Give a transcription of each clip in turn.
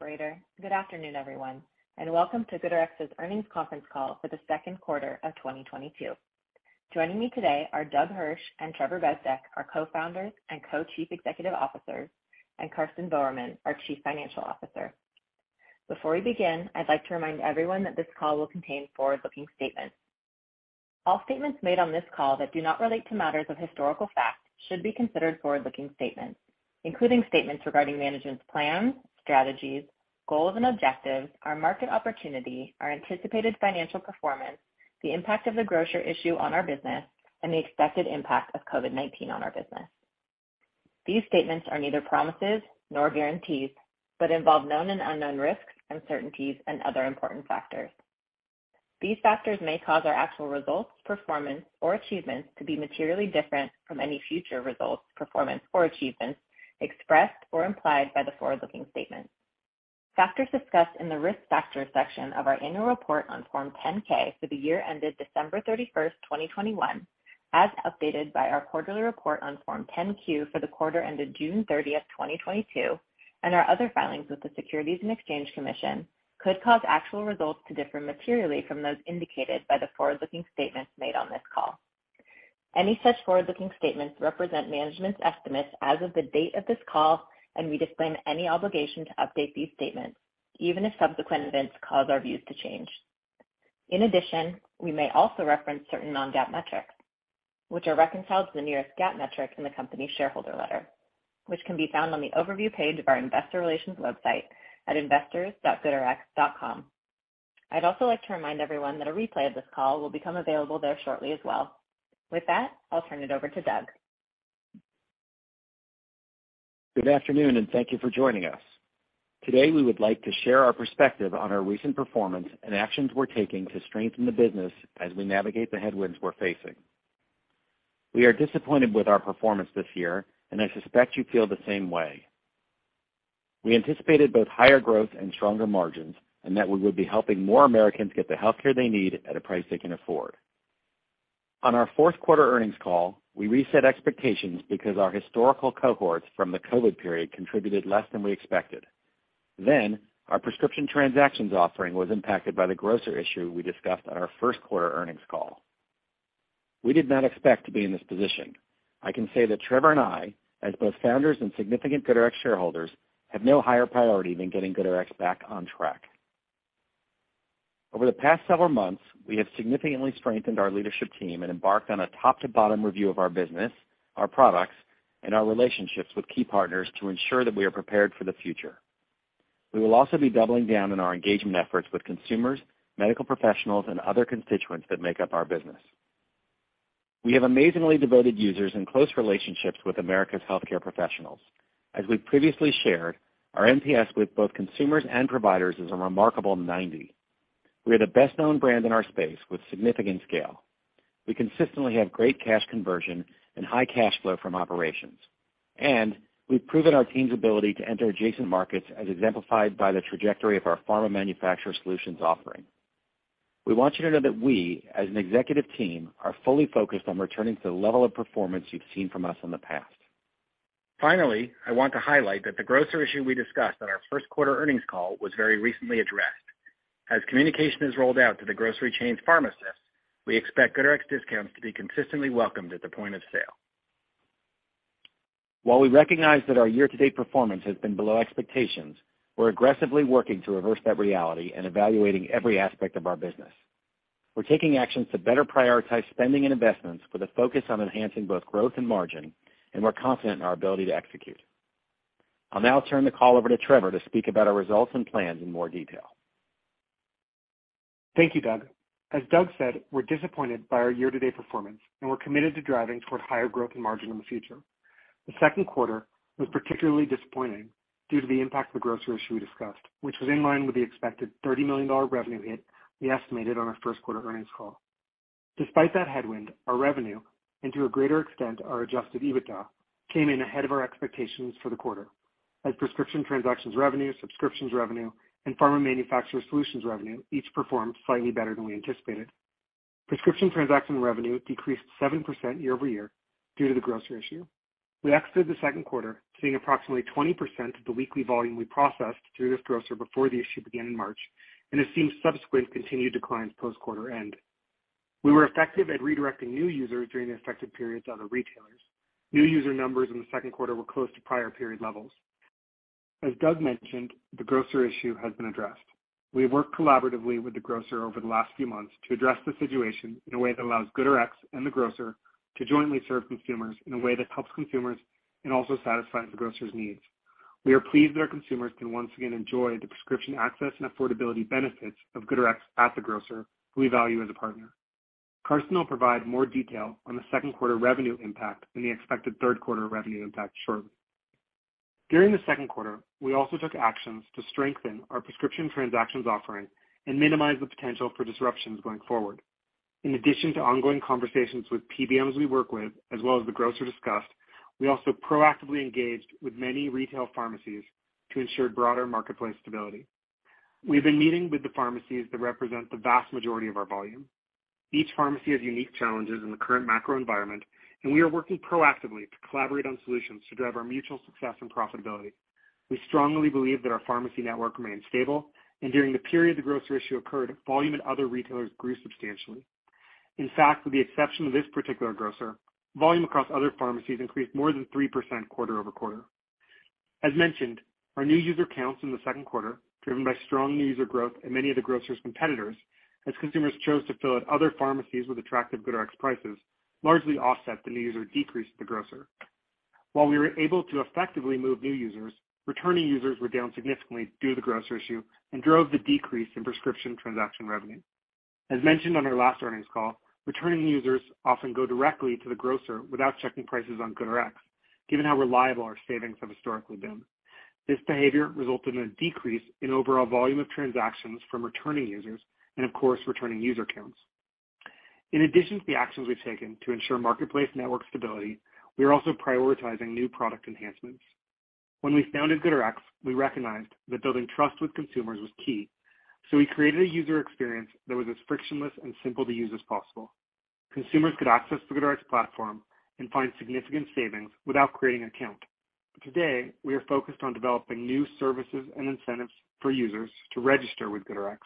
Operator. Good afternoon, everyone, and welcome to GoodRx's earnings conference call for the second quarter of 2022. Joining me today are Doug Hirsch and Trevor Bezdek, our co-founders and co-chief executive officers, and Karsten Voermann, our chief financial officer. Before we begin, I'd like to remind everyone that this call will contain forward-looking statements. All statements made on this call that do not relate to matters of historical fact should be considered forward-looking statements, including statements regarding management's plans, strategies, goals and objectives, our market opportunity, our anticipated financial performance, the impact of the grocer issue on our business, and the expected impact of COVID-19 on our business. These statements are neither promises nor guarantees, but involve known and unknown risks, uncertainties, and other important factors. These factors may cause our actual results, performance or achievements to be materially different from any future results, performance or achievements expressed or implied by the forward-looking statements. Factors discussed in the Risk Factors section of our annual report on Form 10-K for the year ended December 31, 2021, as updated by our quarterly report on Form 10-Q for the quarter ended June 30, 2022, and our other filings with the Securities and Exchange Commission could cause actual results to differ materially from those indicated by the forward-looking statements made on this call. Any such forward-looking statements represent management's estimates as of the date of this call, and we disclaim any obligation to update these statements, even if subsequent events cause our views to change. In addition, we may also reference certain non-GAAP metrics, which are reconciled to the nearest GAAP metric in the company's shareholder letter, which can be found on the overview page of our investor relations website at investors.goodrx.com. I'd also like to remind everyone that a replay of this call will become available there shortly as well. With that, I'll turn it over to Doug. Good afternoon, and thank you for joining us. Today, we would like to share our perspective on our recent performance and actions we're taking to strengthen the business as we navigate the headwinds we're facing. We are disappointed with our performance this year, and I suspect you feel the same way. We anticipated both higher growth and stronger margins, and that we would be helping more Americans get the healthcare they need at a price they can afford. On our fourth quarter earnings call, we reset expectations because our historical cohorts from the COVID period contributed less than we expected. Our prescription transactions offering was impacted by the grocer issue we discussed on our first quarter earnings call. We did not expect to be in this position. I can say that Trevor and I, as both founders and significant GoodRx shareholders, have no higher priority than getting GoodRx back on track. Over the past several months, we have significantly strengthened our leadership team and embarked on a top to bottom review of our business, our products, and our relationships with key partners to ensure that we are prepared for the future. We will also be doubling down on our engagement efforts with consumers, medical professionals, and other constituents that make up our business. We have amazingly devoted users and close relationships with America's healthcare professionals. As we previously shared, our NPS with both consumers and providers is a remarkable 90. We are the best-known brand in our space with significant scale. We consistently have great cash conversion and high cash flow from operations, and we've proven our team's ability to enter adjacent markets, as exemplified by the trajectory of our Pharma Manufacturer Solutions offering. We want you to know that we, as an executive team, are fully focused on returning to the level of performance you've seen from us in the past. Finally, I want to highlight that the grocer issue we discussed on our first quarter earnings call was very recently addressed. As communication is rolled out to the grocery chain's pharmacists, we expect GoodRx discounts to be consistently welcomed at the point of sale. While we recognize that our year-to-date performance has been below expectations, we're aggressively working to reverse that reality and evaluating every aspect of our business. We're taking actions to better prioritize spending and investments with a focus on enhancing both growth and margin, and we're confident in our ability to execute. I'll now turn the call over to Trevor to speak about our results and plans in more detail. Thank you, Doug. As Doug said, we're disappointed by our year-to-date performance, and we're committed to driving toward higher growth and margin in the future. The second quarter was particularly disappointing due to the impact of the grocer issue we discussed, which was in line with the expected $30 million revenue hit we estimated on our first quarter earnings call. Despite that headwind, our revenue, and to a greater extent, our adjusted EBITDA, came in ahead of our expectations for the quarter, as prescription transactions revenue, subscriptions revenue, and Pharma Manufacturer Solutions revenue each performed slightly better than we anticipated. Prescription transaction revenue decreased 7% year-over-year due to the grocer issue. We exited the second quarter seeing approximately 20% of the weekly volume we processed through this grocer before the issue began in March, and have seen subsequent continued declines post-quarter end. We were effective at redirecting new users during the affected periods to other retailers. New user numbers in the second quarter were close to prior period levels. As Doug mentioned, the grocer issue has been addressed. We have worked collaboratively with the grocer over the last few months to address the situation in a way that allows GoodRx and the grocer to jointly serve consumers in a way that helps consumers and also satisfies the grocer's needs. We are pleased that our consumers can once again enjoy the prescription access and affordability benefits of GoodRx at the grocer, who we value as a partner. Karsten will provide more detail on the second quarter revenue impact and the expected third quarter revenue impact shortly. During the second quarter, we also took actions to strengthen our prescription transactions offering and minimize the potential for disruptions going forward. In addition to ongoing conversations with PBMs we work with, as well as the grocer discussed, we also proactively engaged with many retail pharmacies to ensure broader marketplace stability. We've been meeting with the pharmacies that represent the vast majority of our volume. Each pharmacy has unique challenges in the current macro environment, and we are working proactively to collaborate on solutions to drive our mutual success and profitability. We strongly believe that our pharmacy network remains stable and during the period the grocer issue occurred, volume and other retailers grew substantially. In fact, with the exception of this particular grocer, volume across other pharmacies increased more than 3% quarter-over-quarter. As mentioned, our new user counts in the second quarter, driven by strong new user growth in many of the grocer's competitors as consumers chose to fill at other pharmacies with attractive GoodRx prices, largely offset the new user decrease at the grocer. While we were able to effectively move new users, returning users were down significantly due to the grocer issue and drove the decrease in prescription transaction revenue. As mentioned on our last earnings call, returning users often go directly to the grocer without checking prices on GoodRx, given how reliable our savings have historically been. This behavior resulted in a decrease in overall volume of transactions from returning users and of course, returning user counts. In addition to the actions we've taken to ensure marketplace network stability, we are also prioritizing new product enhancements. When we founded GoodRx, we recognized that building trust with consumers was key. We created a user experience that was as frictionless and simple to use as possible. Consumers could access the GoodRx platform and find significant savings without creating an account. Today, we are focused on developing new services and incentives for users to register with GoodRx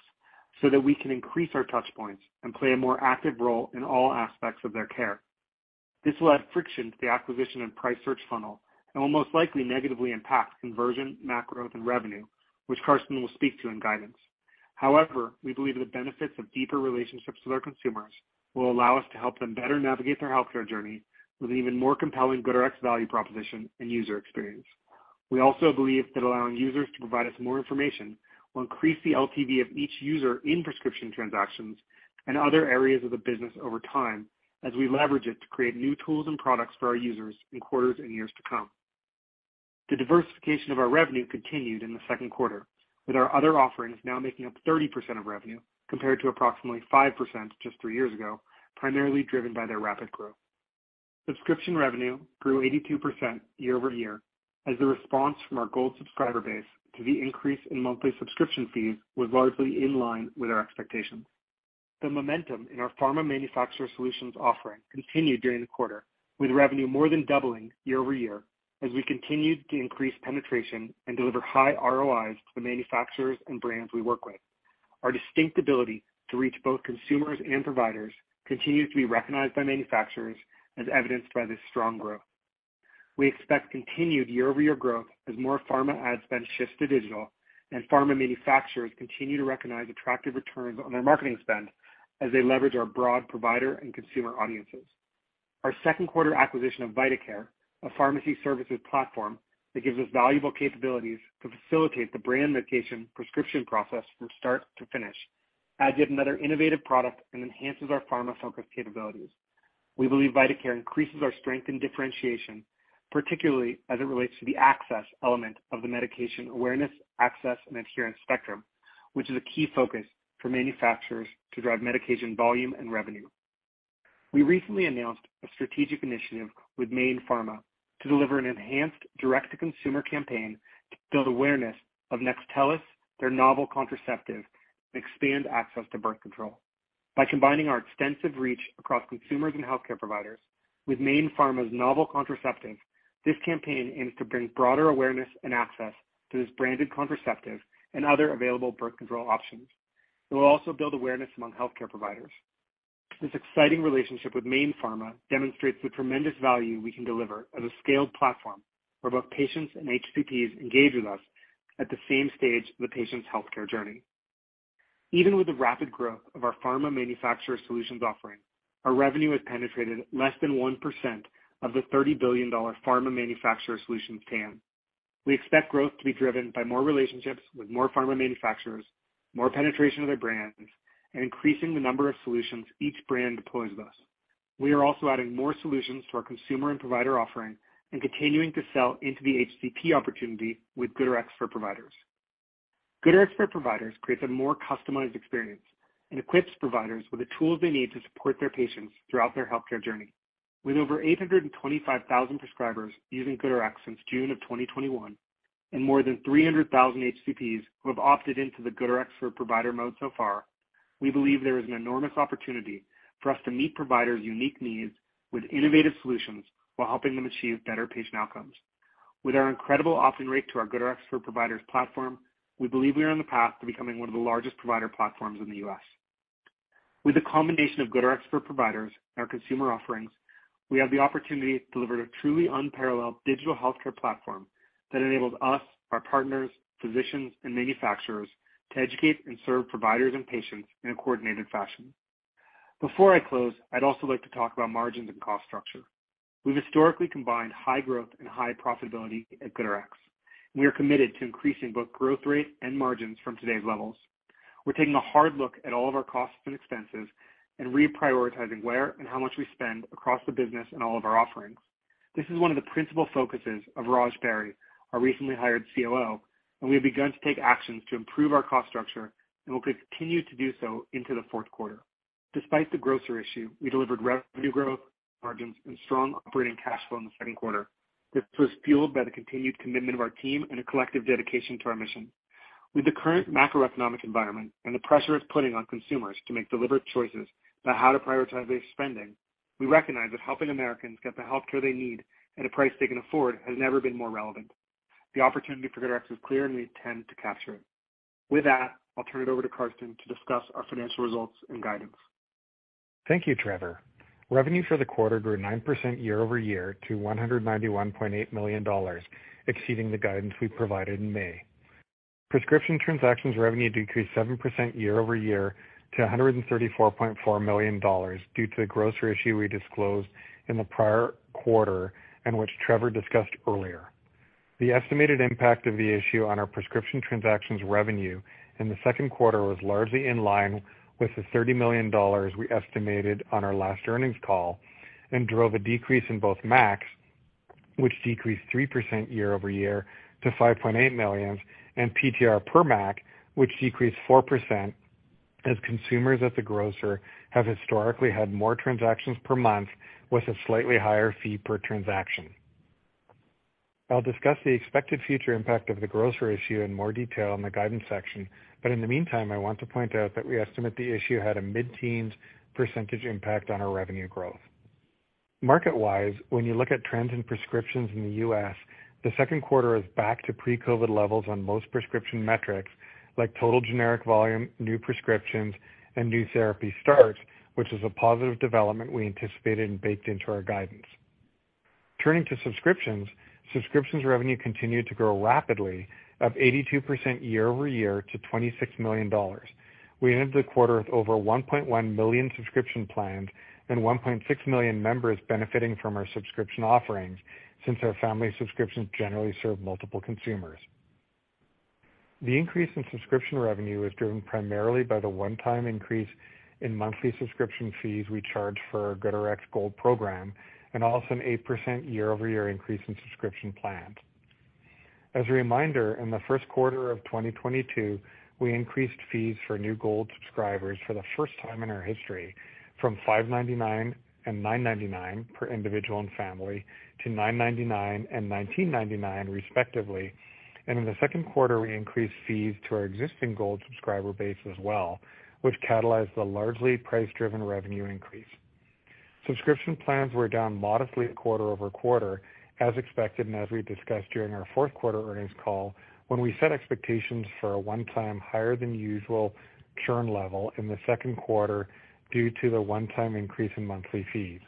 so that we can increase our touch points and play a more active role in all aspects of their care. This will add friction to the acquisition and price search funnel and will most likely negatively impact conversion, macro growth and revenue, which Karsten will speak to in guidance. However, we believe the benefits of deeper relationships with our consumers will allow us to help them better navigate their healthcare journey with an even more compelling GoodRx value proposition and user experience. We also believe that allowing users to provide us more information will increase the LTV of each user in prescription transactions and other areas of the business over time, as we leverage it to create new tools and products for our users in quarters and years to come. The diversification of our revenue continued in the second quarter, with our other offerings now making up 30% of revenue compared to approximately 5% just three years ago, primarily driven by their rapid growth. Subscription revenue grew 82% year-over-year as the response from our Gold subscriber base to the increase in monthly subscription fees was largely in line with our expectations. The momentum in our Pharma Manufacturer Solutions offering continued during the quarter, with revenue more than doubling year-over-year as we continued to increase penetration and deliver high ROIs to the manufacturers and brands we work with. Our distinct ability to reach both consumers and providers continues to be recognized by manufacturers as evidenced by this strong growth. We expect continued year-over-year growth as more pharma ad spend shifts to digital, and pharma manufacturers continue to recognize attractive returns on their marketing spend as they leverage our broad provider and consumer audiences. Our second quarter acquisition of vitaCare, a pharmacy services platform that gives us valuable capabilities to facilitate the brand medication prescription process from start to finish, adds yet another innovative product and enhances our pharma-focused capabilities. We believe vitaCare increases our strength and differentiation, particularly as it relates to the access element of the medication awareness, access and adherence spectrum, which is a key focus for manufacturers to drive medication volume and revenue. We recently announced a strategic initiative with Mayne Pharma to deliver an enhanced direct to consumer campaign to build awareness of Nextstellis, their novel contraceptive, and expand access to birth control. By combining our extensive reach across consumers and healthcare providers with Mayne Pharma's novel contraceptive, this campaign aims to bring broader awareness and access to this branded contraceptive and other available birth control options. It will also build awareness among healthcare providers. This exciting relationship with Mayne Pharma demonstrates the tremendous value we can deliver as a scaled platform where both patients and HCPs engage with us at the same stage of the patient's healthcare journey. Even with the rapid growth of our Pharma Manufacturer Solutions offering, our revenue has penetrated less than 1% of the $30 billion Pharma Manufacturer Solutions TAM. We expect growth to be driven by more relationships with more pharma manufacturers, more penetration of their brands, and increasing the number of solutions each brand deploys with us. We are also adding more solutions to our consumer and provider offering and continuing to sell into the HCP opportunity with GoodRx for Providers. GoodRx for Providers creates a more customized experience and equips providers with the tools they need to support their patients throughout their healthcare journey. With over 825,000 prescribers using GoodRx since June of 2021, and more than 300,000 HCPs who have opted into the GoodRx for Providers so far, we believe there is an enormous opportunity for us to meet providers' unique needs with innovative solutions while helping them achieve better patient outcomes. With our incredible opt-in rate to our GoodRx for Providers platform, we believe we are on the path to becoming one of the largest provider platforms in the U.S. With the combination of GoodRx for Providers and our consumer offerings, we have the opportunity to deliver a truly unparalleled digital healthcare platform that enables us, our partners, physicians, and manufacturers to educate and serve providers and patients in a coordinated fashion. Before I close, I'd also like to talk about margins and cost structure. We've historically combined high growth and high profitability at GoodRx. We are committed to increasing both growth rate and margins from today's levels. We're taking a hard look at all of our costs and expenses and reprioritizing where and how much we spend across the business and all of our offerings. This is one of the principal focuses of Raj Beri, our recently hired COO, and we have begun to take actions to improve our cost structure and will continue to do so into the fourth quarter. Despite the grocer issue, we delivered revenue growth, margins, and strong operating cash flow in the second quarter. This was fueled by the continued commitment of our team and a collective dedication to our mission. With the current macroeconomic environment and the pressure it's putting on consumers to make deliberate choices about how to prioritize their spending, we recognize that helping Americans get the healthcare they need at a price they can afford has never been more relevant. The opportunity for GoodRx is clear, and we intend to capture it. With that, I'll turn it over to Karsten to discuss our financial results and guidance. Thank you, Trevor. Revenue for the quarter grew 9% year-over-year to $191.8 million, exceeding the guidance we provided in May. Prescription transactions revenue decreased 7% year-over-year to $134.4 million due to the grocer issue we disclosed in the prior quarter and which Trevor discussed earlier. The estimated impact of the issue on our prescription transactions revenue in the second quarter was largely in line with the $30 million we estimated on our last earnings call and drove a decrease in both MACs, which decreased 3% year-over-year to 5.8 million, and PTR per MAC, which decreased 4% as consumers at the grocer have historically had more transactions per month with a slightly higher fee per transaction. I'll discuss the expected future impact of the grocer issue in more detail in the guidance section, but in the meantime, I want to point out that we estimate the issue had a mid-teens% impact on our revenue growth. Market-wise, when you look at trends in prescriptions in the U.S., the second quarter is back to pre-COVID levels on most prescription metrics like total generic volume, new prescriptions, and new therapy starts, which is a positive development we anticipated and baked into our guidance. Turning to subscriptions. Subscriptions revenue continued to grow rapidly at 82% year-over-year to $26 million. We ended the quarter with over 1.1 million subscription plans and 1.6 million members benefiting from our subscription offerings since our family subscriptions generally serve multiple consumers. The increase in subscription revenue is driven primarily by the one-time increase in monthly subscription fees we charge for our GoodRx Gold program and also an 8% year-over-year increase in subscription plans. As a reminder, in the first quarter of 2022, we increased fees for new Gold subscribers for the first time in our history from $5.99 and $9.99 per individual and family to $9.99 and $19.99 respectively. In the second quarter, we increased fees to our existing Gold subscriber base as well, which catalyzed the largely price-driven revenue increase. Subscription plans were down modestly quarter-over-quarter as expected, and as we discussed during our fourth quarter earnings call when we set expectations for a one-time higher than usual churn level in the second quarter due to the one-time increase in monthly fees.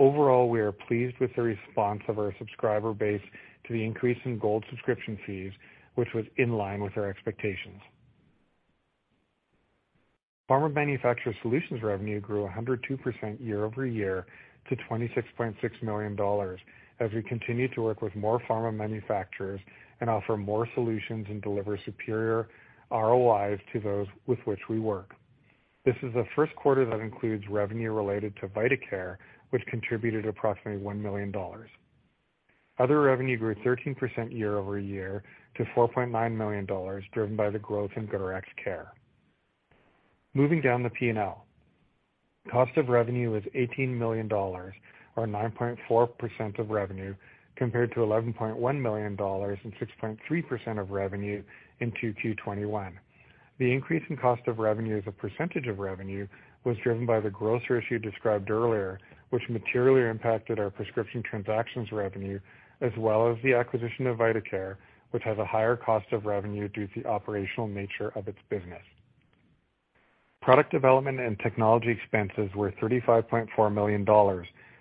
Overall, we are pleased with the response of our subscriber base to the increase in Gold subscription fees, which was in line with our expectations. Pharma Manufacturer Solutions revenue grew 102% year-over-year to $26.6 million as we continue to work with more pharma manufacturers and offer more solutions and deliver superior ROIs to those with which we work. This is the first quarter that includes revenue related to vitaCare, which contributed approximately $1 million. Other revenue grew 13% year-over-year to $4.9 million, driven by the growth in GoodRx Care. Moving down the P&L. Cost of revenue was $18 million or 9.4% of revenue compared to $11.1 million and 6.3% of revenue in 2Q 2021. The increase in cost of revenue as a percentage of revenue was driven by the grocer issue described earlier, which materially impacted our prescription transactions revenue as well as the acquisition of vitaCare, which has a higher cost of revenue due to the operational nature of its business. Product development and technology expenses were $35.4 million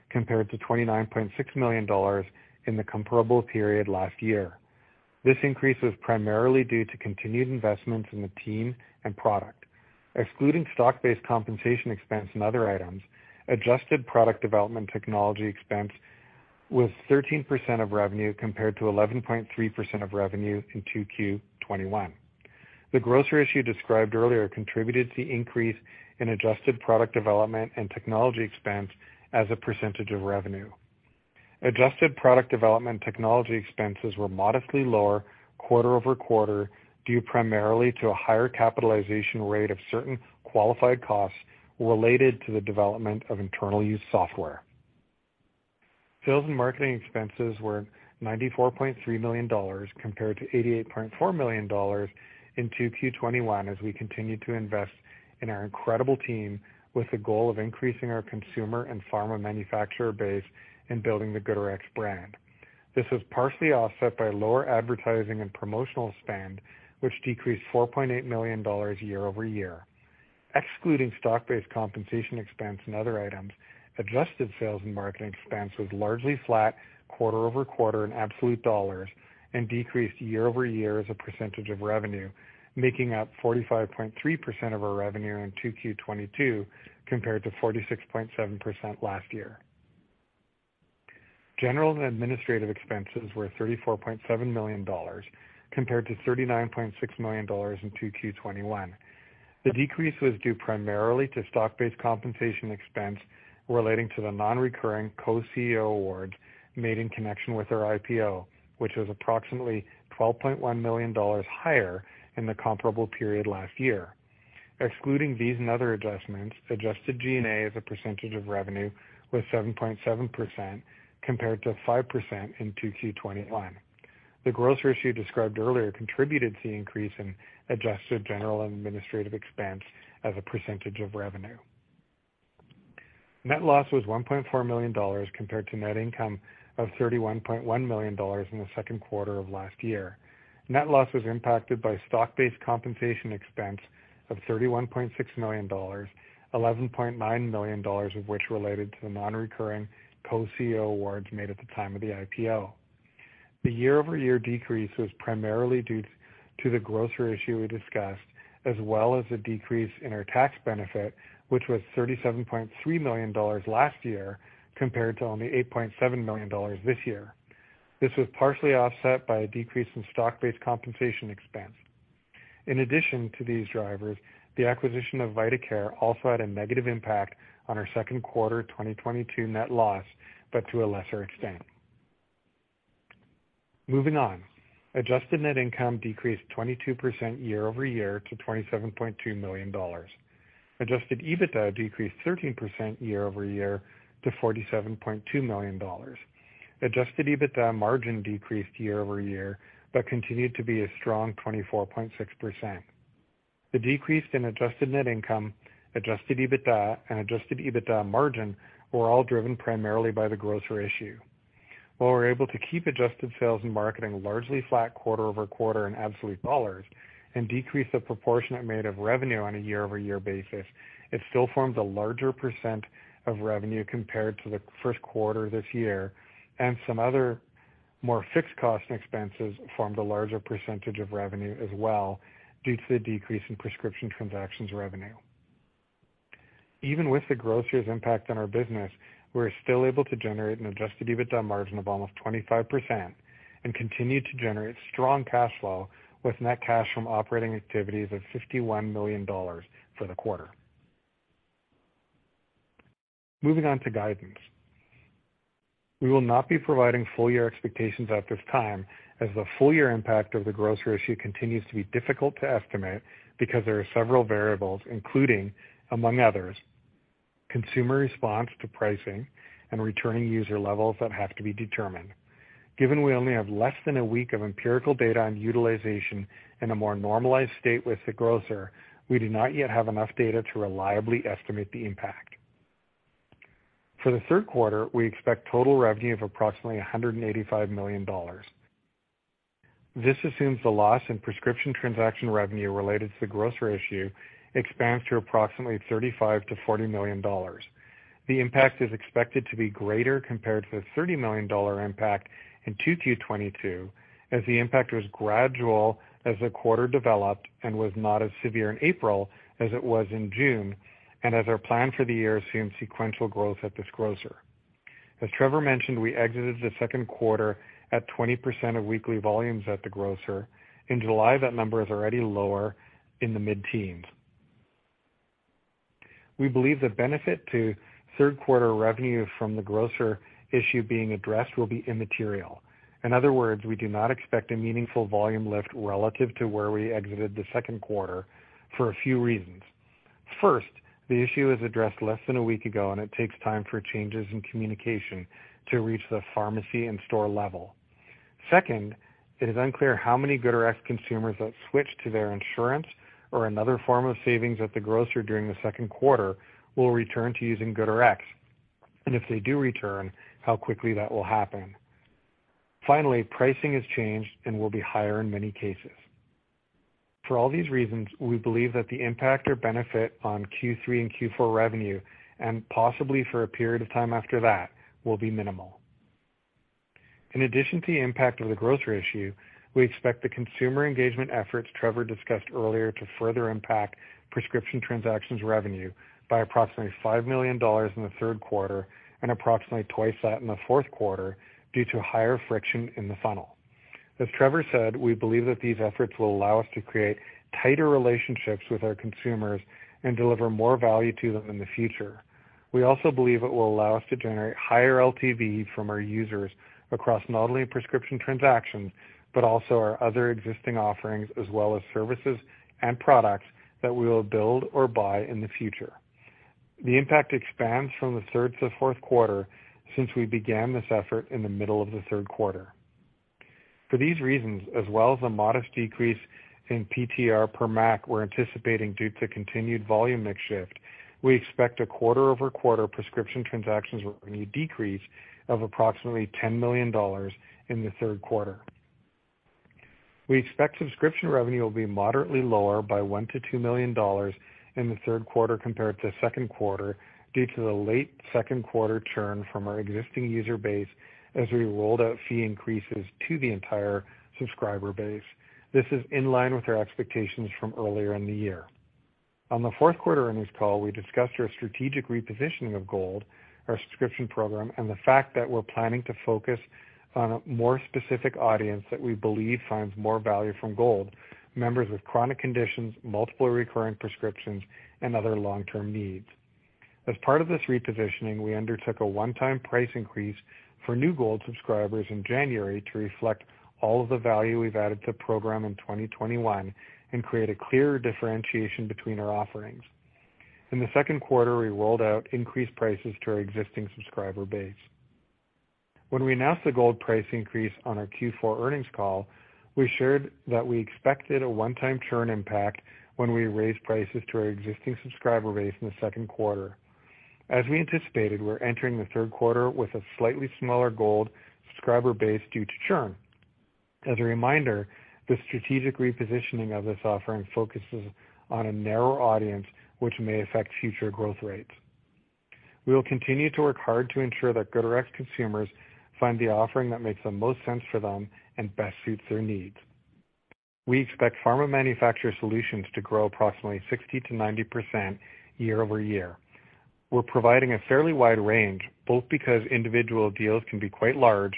compared to $29.6 million in the comparable period last year. This increase was primarily due to continued investments in the team and product. Excluding stock-based compensation expense and other items, adjusted product development technology expense was 13% of revenue compared to 11.3% of revenue in 2Q 2021. The grocer issue described earlier contributed to the increase in adjusted product development and technology expense as a percentage of revenue. Adjusted product development technology expenses were modestly lower quarter-over-quarter, due primarily to a higher capitalization rate of certain qualified costs related to the development of internal use software. Sales and marketing expenses were $94.3 million compared to $88.4 million in 2Q 2021 as we continued to invest in our incredible team with the goal of increasing our consumer and pharma manufacturer base in building the GoodRx brand. This was partially offset by lower advertising and promotional spend, which decreased $4.8 million year-over-year. Excluding stock-based compensation expense and other items, adjusted sales and marketing expense was largely flat quarter-over-quarter in absolute dollars and decreased year-over-year as a percentage of revenue, making up 45.3% of our revenue in 2Q 2022 compared to 46.7% last year. General and administrative expenses were $34.7 million compared to $39.6 million in 2Q 2021. The decrease was due primarily to stock-based compensation expense relating to the non-recurring co-CEO award made in connection with our IPO, which was approximately $12.1 million higher in the comparable period last year. Excluding these and other adjustments, adjusted G&A as a percentage of revenue was 7.7% compared to 5% in 2Q 2021. The GoodRx issue described earlier contributed to the increase in adjusted general and administrative expense as a percentage of revenue. Net loss was $1.4 million compared to net income of $31.1 million in the second quarter of last year. Net loss was impacted by stock-based compensation expense of $31.6 million, $11.9 million of which related to the non-recurring co-CEO awards made at the time of the IPO. The year-over-year decrease was primarily due to the grocer issue we discussed, as well as a decrease in our tax benefit, which was $37.3 million last year compared to only $8.7 million this year. This was partially offset by a decrease in stock-based compensation expense. In addition to these drivers, the acquisition of vitaCare also had a negative impact on our second quarter 2022 net loss, but to a lesser extent. Moving on. Adjusted net income decreased 22% year-over-year to $27.2 million. Adjusted EBITDA decreased 13% year-over-year to $47.2 million. Adjusted EBITDA margin decreased year-over-year, but continued to be a strong 24.6%. The decrease in adjusted net income, adjusted EBITDA and adjusted EBITDA margin were all driven primarily by the grocer issue. While we're able to keep adjusted sales and marketing largely flat quarter-over-quarter in absolute dollars and decrease the proportion it made of revenue on a year-over-year basis, it still forms a larger percent of revenue compared to the first quarter this year, and some other more fixed cost expenses formed a larger percentage of revenue as well due to the decrease in prescription transactions revenue. Even with the grocer's impact on our business, we're still able to generate an adjusted EBITDA margin of almost 25% and continue to generate strong cash flow with net cash from operating activities of $51 million for the quarter. Moving on to guidance. We will not be providing full year expectations at this time as the full year impact of the grocer issue continues to be difficult to estimate because there are several variables, including, among others, consumer response to pricing and returning user levels that have to be determined. Given we only have less than a week of empirical data on utilization and a more normalized state with the grocer, we do not yet have enough data to reliably estimate the impact. For the third quarter, we expect total revenue of approximately $185 million. This assumes the loss in prescription transaction revenue related to the grocer issue expands to approximately $35 million-$40 million. The impact is expected to be greater compared to the $30 million impact in 2Q22, as the impact was gradual as the quarter developed and was not as severe in April as it was in June, and as our plan for the year assumed sequential growth at this grocer. As Trevor mentioned, we exited the second quarter at 20% of weekly volumes at the grocer. In July, that number is already lower in the mid-teens. We believe the benefit to third quarter revenue from the grocer issue being addressed will be immaterial. In other words, we do not expect a meaningful volume lift relative to where we exited the second quarter for a few reasons. First, the issue was addressed less than a week ago, and it takes time for changes in communication to reach the pharmacy and store level. Second, it is unclear how many GoodRx consumers that switched to their insurance or another form of savings at the grocer during the second quarter will return to using GoodRx. If they do return, how quickly that will happen. Finally, pricing has changed and will be higher in many cases. For all these reasons, we believe that the impact or benefit on Q3 and Q4 revenue, and possibly for a period of time after that, will be minimal. In addition to the impact of the grocer issue, we expect the consumer engagement efforts Trevor discussed earlier to further impact prescription transactions revenue by approximately $5 million in the third quarter and approximately twice that in the fourth quarter due to higher friction in the funnel. As Trevor said, we believe that these efforts will allow us to create tighter relationships with our consumers and deliver more value to them in the future. We also believe it will allow us to generate higher LTV from our users across not only prescription transactions, but also our other existing offerings as well as services and products that we will build or buy in the future. The impact expands from the third to fourth quarter since we began this effort in the middle of the third quarter. For these reasons, as well as a modest decrease in PTR per MAC we're anticipating due to continued volume mix shift, we expect a quarter-over-quarter prescription transactions revenue decrease of approximately $10 million in the third quarter. We expect subscription revenue will be moderately lower by $1 million-$2 million in the third quarter compared to second quarter due to the late second quarter churn from our existing user base as we rolled out fee increases to the entire subscriber base. This is in line with our expectations from earlier in the year. On the fourth quarter earnings call, we discussed our strategic repositioning of Gold, our subscription program, and the fact that we're planning to focus on a more specific audience that we believe finds more value from Gold, members with chronic conditions, multiple recurring prescriptions, and other long-term needs. As part of this repositioning, we undertook a one-time price increase for new Gold subscribers in January to reflect all of the value we've added to the program in 2021 and create a clearer differentiation between our offerings. In the second quarter, we rolled out increased prices to our existing subscriber base. When we announced the Gold price increase on our Q4 earnings call, we shared that we expected a one-time churn impact when we raised prices to our existing subscriber base in the second quarter. As we anticipated, we're entering the third quarter with a slightly smaller Gold subscriber base due to churn. As a reminder, the strategic repositioning of this offering focuses on a narrower audience, which may affect future growth rates. We will continue to work hard to ensure that GoodRx consumers find the offering that makes the most sense for them and best suits their needs. We expect Pharma Manufacturer Solutions to grow approximately 60%-90% year-over-year. We're providing a fairly wide range, both because individual deals can be quite large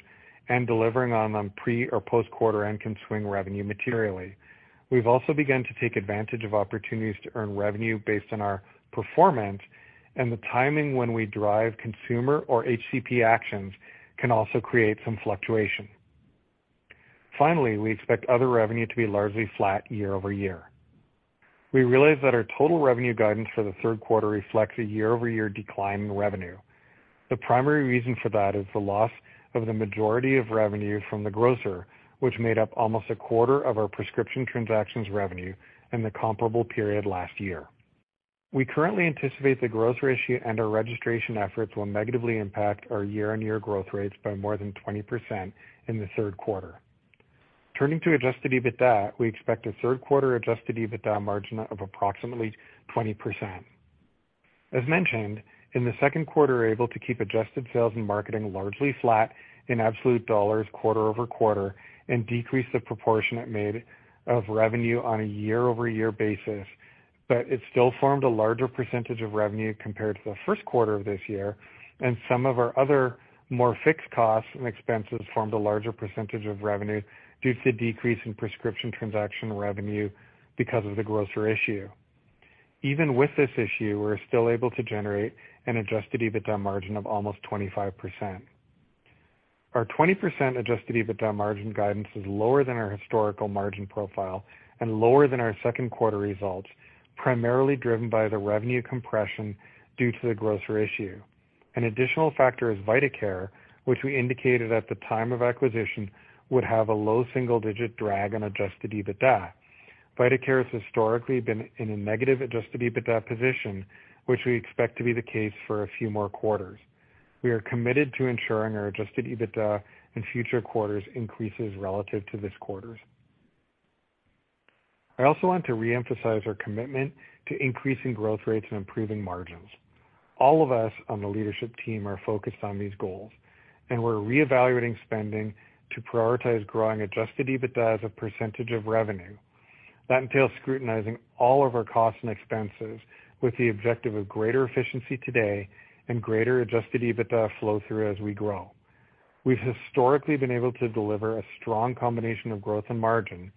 and delivering on them pre- or post-quarter end can swing revenue materially. We've also begun to take advantage of opportunities to earn revenue based on our performance, and the timing when we drive consumer or HCP actions can also create some fluctuation. Finally, we expect other revenue to be largely flat year-over-year. We realize that our total revenue guidance for the third quarter reflects a year-over-year decline in revenue. The primary reason for that is the loss of the majority of revenue from the grocer, which made up almost a quarter of our prescription transactions revenue in the comparable period last year. We currently anticipate the grocer issue and our registration efforts will negatively impact our year-over-year growth rates by more than 20% in the third quarter. Turning to adjusted EBITDA, we expect a third quarter adjusted EBITDA margin of approximately 20%. As mentioned, in the second quarter, we were able to keep adjusted sales and marketing largely flat in absolute dollars quarter-over-quarter and decrease the proportion it made of revenue on a year-over-year basis. It still formed a larger percentage of revenue compared to the first quarter of this year, and some of our other more fixed costs and expenses formed a larger percentage of revenue due to decrease in prescription transaction revenue because of the grocer issue. Even with this issue, we're still able to generate an adjusted EBITDA margin of almost 25%. Our 20% adjusted EBITDA margin guidance is lower than our historical margin profile and lower than our second quarter results, primarily driven by the revenue compression due to the grocer issue. An additional factor is vitaCare, which we indicated at the time of acquisition would have a low single digit drag on adjusted EBITDA. vitaCare has historically been in a negative adjusted EBITDA position, which we expect to be the case for a few more quarters. We are committed to ensuring our adjusted EBITDA in future quarters increases relative to this quarter's. I also want to reemphasize our commitment to increasing growth rates and improving margins. All of us on the leadership team are focused on these goals, and we're reevaluating spending to prioritize growing adjusted EBITDA as a percentage of revenue. That entails scrutinizing all of our costs and expenses with the objective of greater efficiency today and greater adjusted EBITDA flow through as we grow. We've historically been able to deliver a strong combination of growth and margin,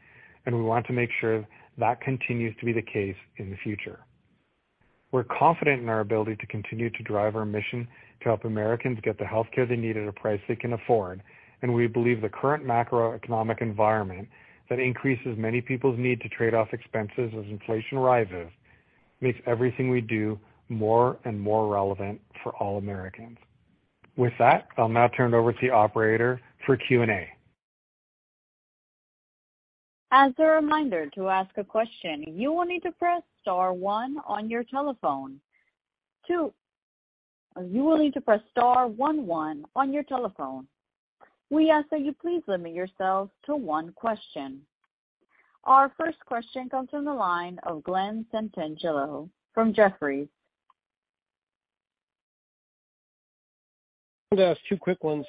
and we want to make sure that continues to be the case in the future. We're confident in our ability to continue to drive our mission to help Americans get the healthcare they need at a price they can afford. We believe the current macroeconomic environment that increases many people's need to trade off expenses as inflation rises makes everything we do more and more relevant for all Americans. With that, I'll now turn it over to the operator for Q&A. As a reminder, to ask a question, you will need to press star one on your telephone. You will need to press star one one on your telephone. We ask that you please limit yourselves to one question. Our first question comes from the line of Glenn Santangelo from Jefferies. I'm gonna ask two quick ones.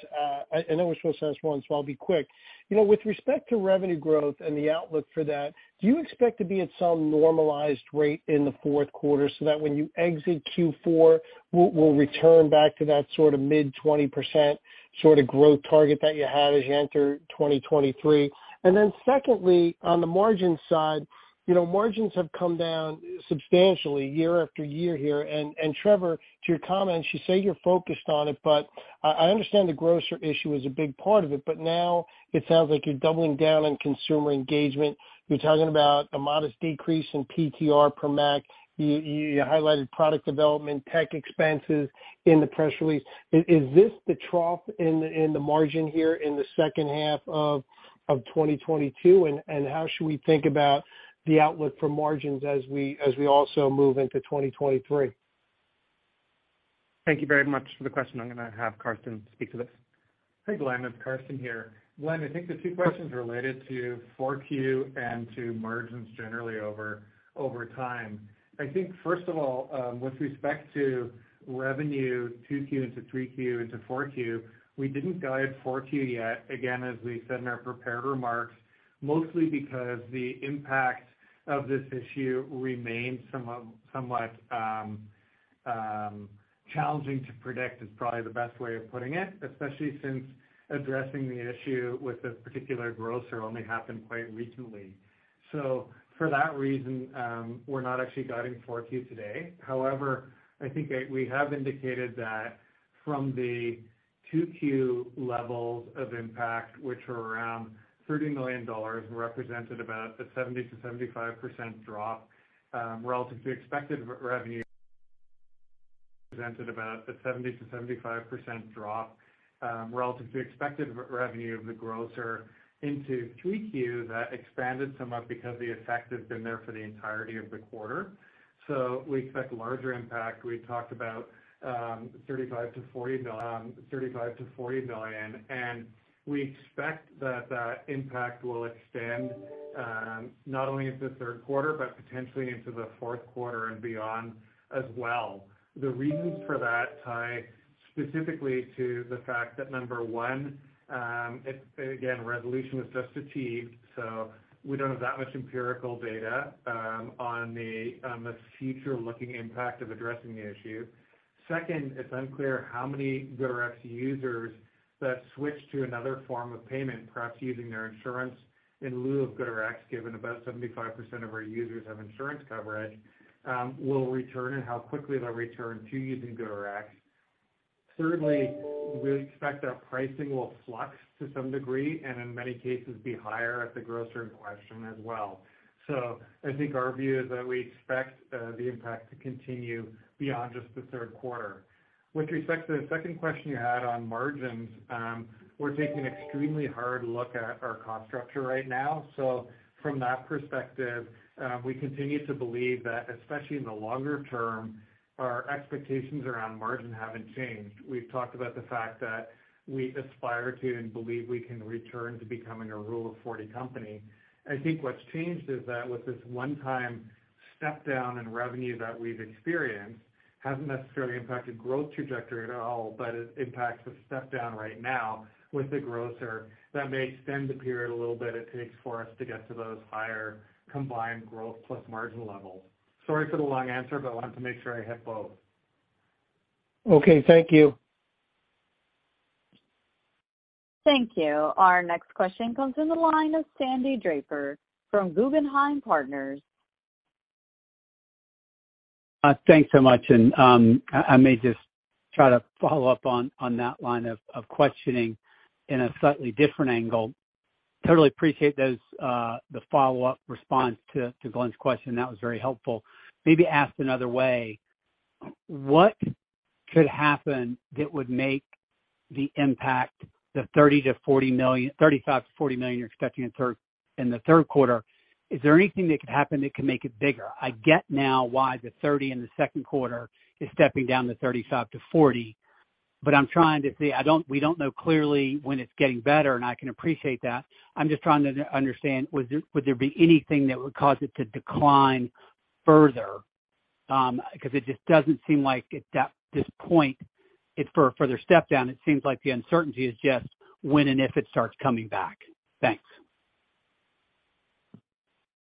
I know we're supposed to ask one, so I'll be quick. You know, with respect to revenue growth and the outlook for that, do you expect to be at some normalized rate in the fourth quarter so that when you exit Q4, we'll return back to that sort of mid-20% sort of growth target that you had as you enter 2023? And then secondly, on the margin side, you know, margins have come down substantially year after year here. And Trevor, to your comments, you say you're focused on it, but I understand the growth issue is a big part of it. But now it sounds like you're doubling down on consumer engagement. You're talking about a modest decrease in PTR per MAC. You highlighted product development, tech expenses in the press release. Is this the trough in the margin here in the second half of 2022? How should we think about the outlook for margins as we also move into 2023? Thank you very much for the question. I'm gonna have Karsten speak to this. Hey, Glenn, it's Karsten here. Glenn, I think the two questions are related to 4Q and to margins generally over time. I think first of all, with respect to revenue, 2Q into 3Q into 4Q, we didn't guide 4Q yet, again, as we said in our prepared remarks, mostly because the impact of this issue remains somewhat challenging to predict is probably the best way of putting it, especially since addressing the issue with this particular grocer only happened quite recently. So for that reason, we're not actually guiding 4Q today. However, I think that we have indicated that from the 2Q levels of impact, which were around $30 million and represented about a 70%-75% drop relative to expected revenue. Represented about a 70%-75% drop, relative to expected revenue of the grocer into 3Q, that expanded somewhat because the effect had been there for the entirety of the quarter. We expect larger impact. We talked about $35 million-$40 million, and we expect that impact will extend, not only into the third quarter, but potentially into the fourth quarter and beyond as well. The reasons for that tie specifically to the fact that, number one, it again, resolution was just achieved, so we don't have that much empirical data on the future-looking impact of addressing the issue. Second, it's unclear how many GoodRx users that switch to another form of payment, perhaps using their insurance in lieu of GoodRx, given about 75% of our users have insurance coverage, will return and how quickly they'll return to using GoodRx. Thirdly, we expect that pricing will flux to some degree, and in many cases be higher at the grocer in question as well. I think our view is that we expect the impact to continue beyond just the third quarter. With respect to the second question you had on margins, we're taking an extremely hard look at our cost structure right now. From that perspective, we continue to believe that especially in the longer term, our expectations around margin haven't changed. We've talked about the fact that we aspire to and believe we can return to becoming a Rule of 40 company. I think what's changed is that with this one-time step down in revenue that we've experienced hasn't necessarily impacted growth trajectory at all, but it impacts the step down right now with the Kroger. That may extend the period a little bit, it takes for us to get to those higher combined growth plus margin levels. Sorry for the long answer, but I wanted to make sure I hit both. Okay, thank you. Thank you. Our next question comes from the line of Sandy Draper from Guggenheim Partners. Thanks so much, and I may just try to follow up on that line of questioning in a slightly different angle. Totally appreciate the follow-up response to Glenn's question. That was very helpful. Maybe asked another way, what could happen that would make the impact, the $35 million-$40 million you're expecting in the third quarter. Is there anything that could happen that could make it bigger? I get now why the $30 million in the second quarter is stepping down to $35 million-$40 million, but I'm trying to see. We don't know clearly when it's getting better, and I can appreciate that. I'm just trying to understand, would there be anything that would cause it to decline further? Because it just doesn't seem like it at this point it's for a further step down. It seems like the uncertainty is just when and if it starts coming back. Thanks.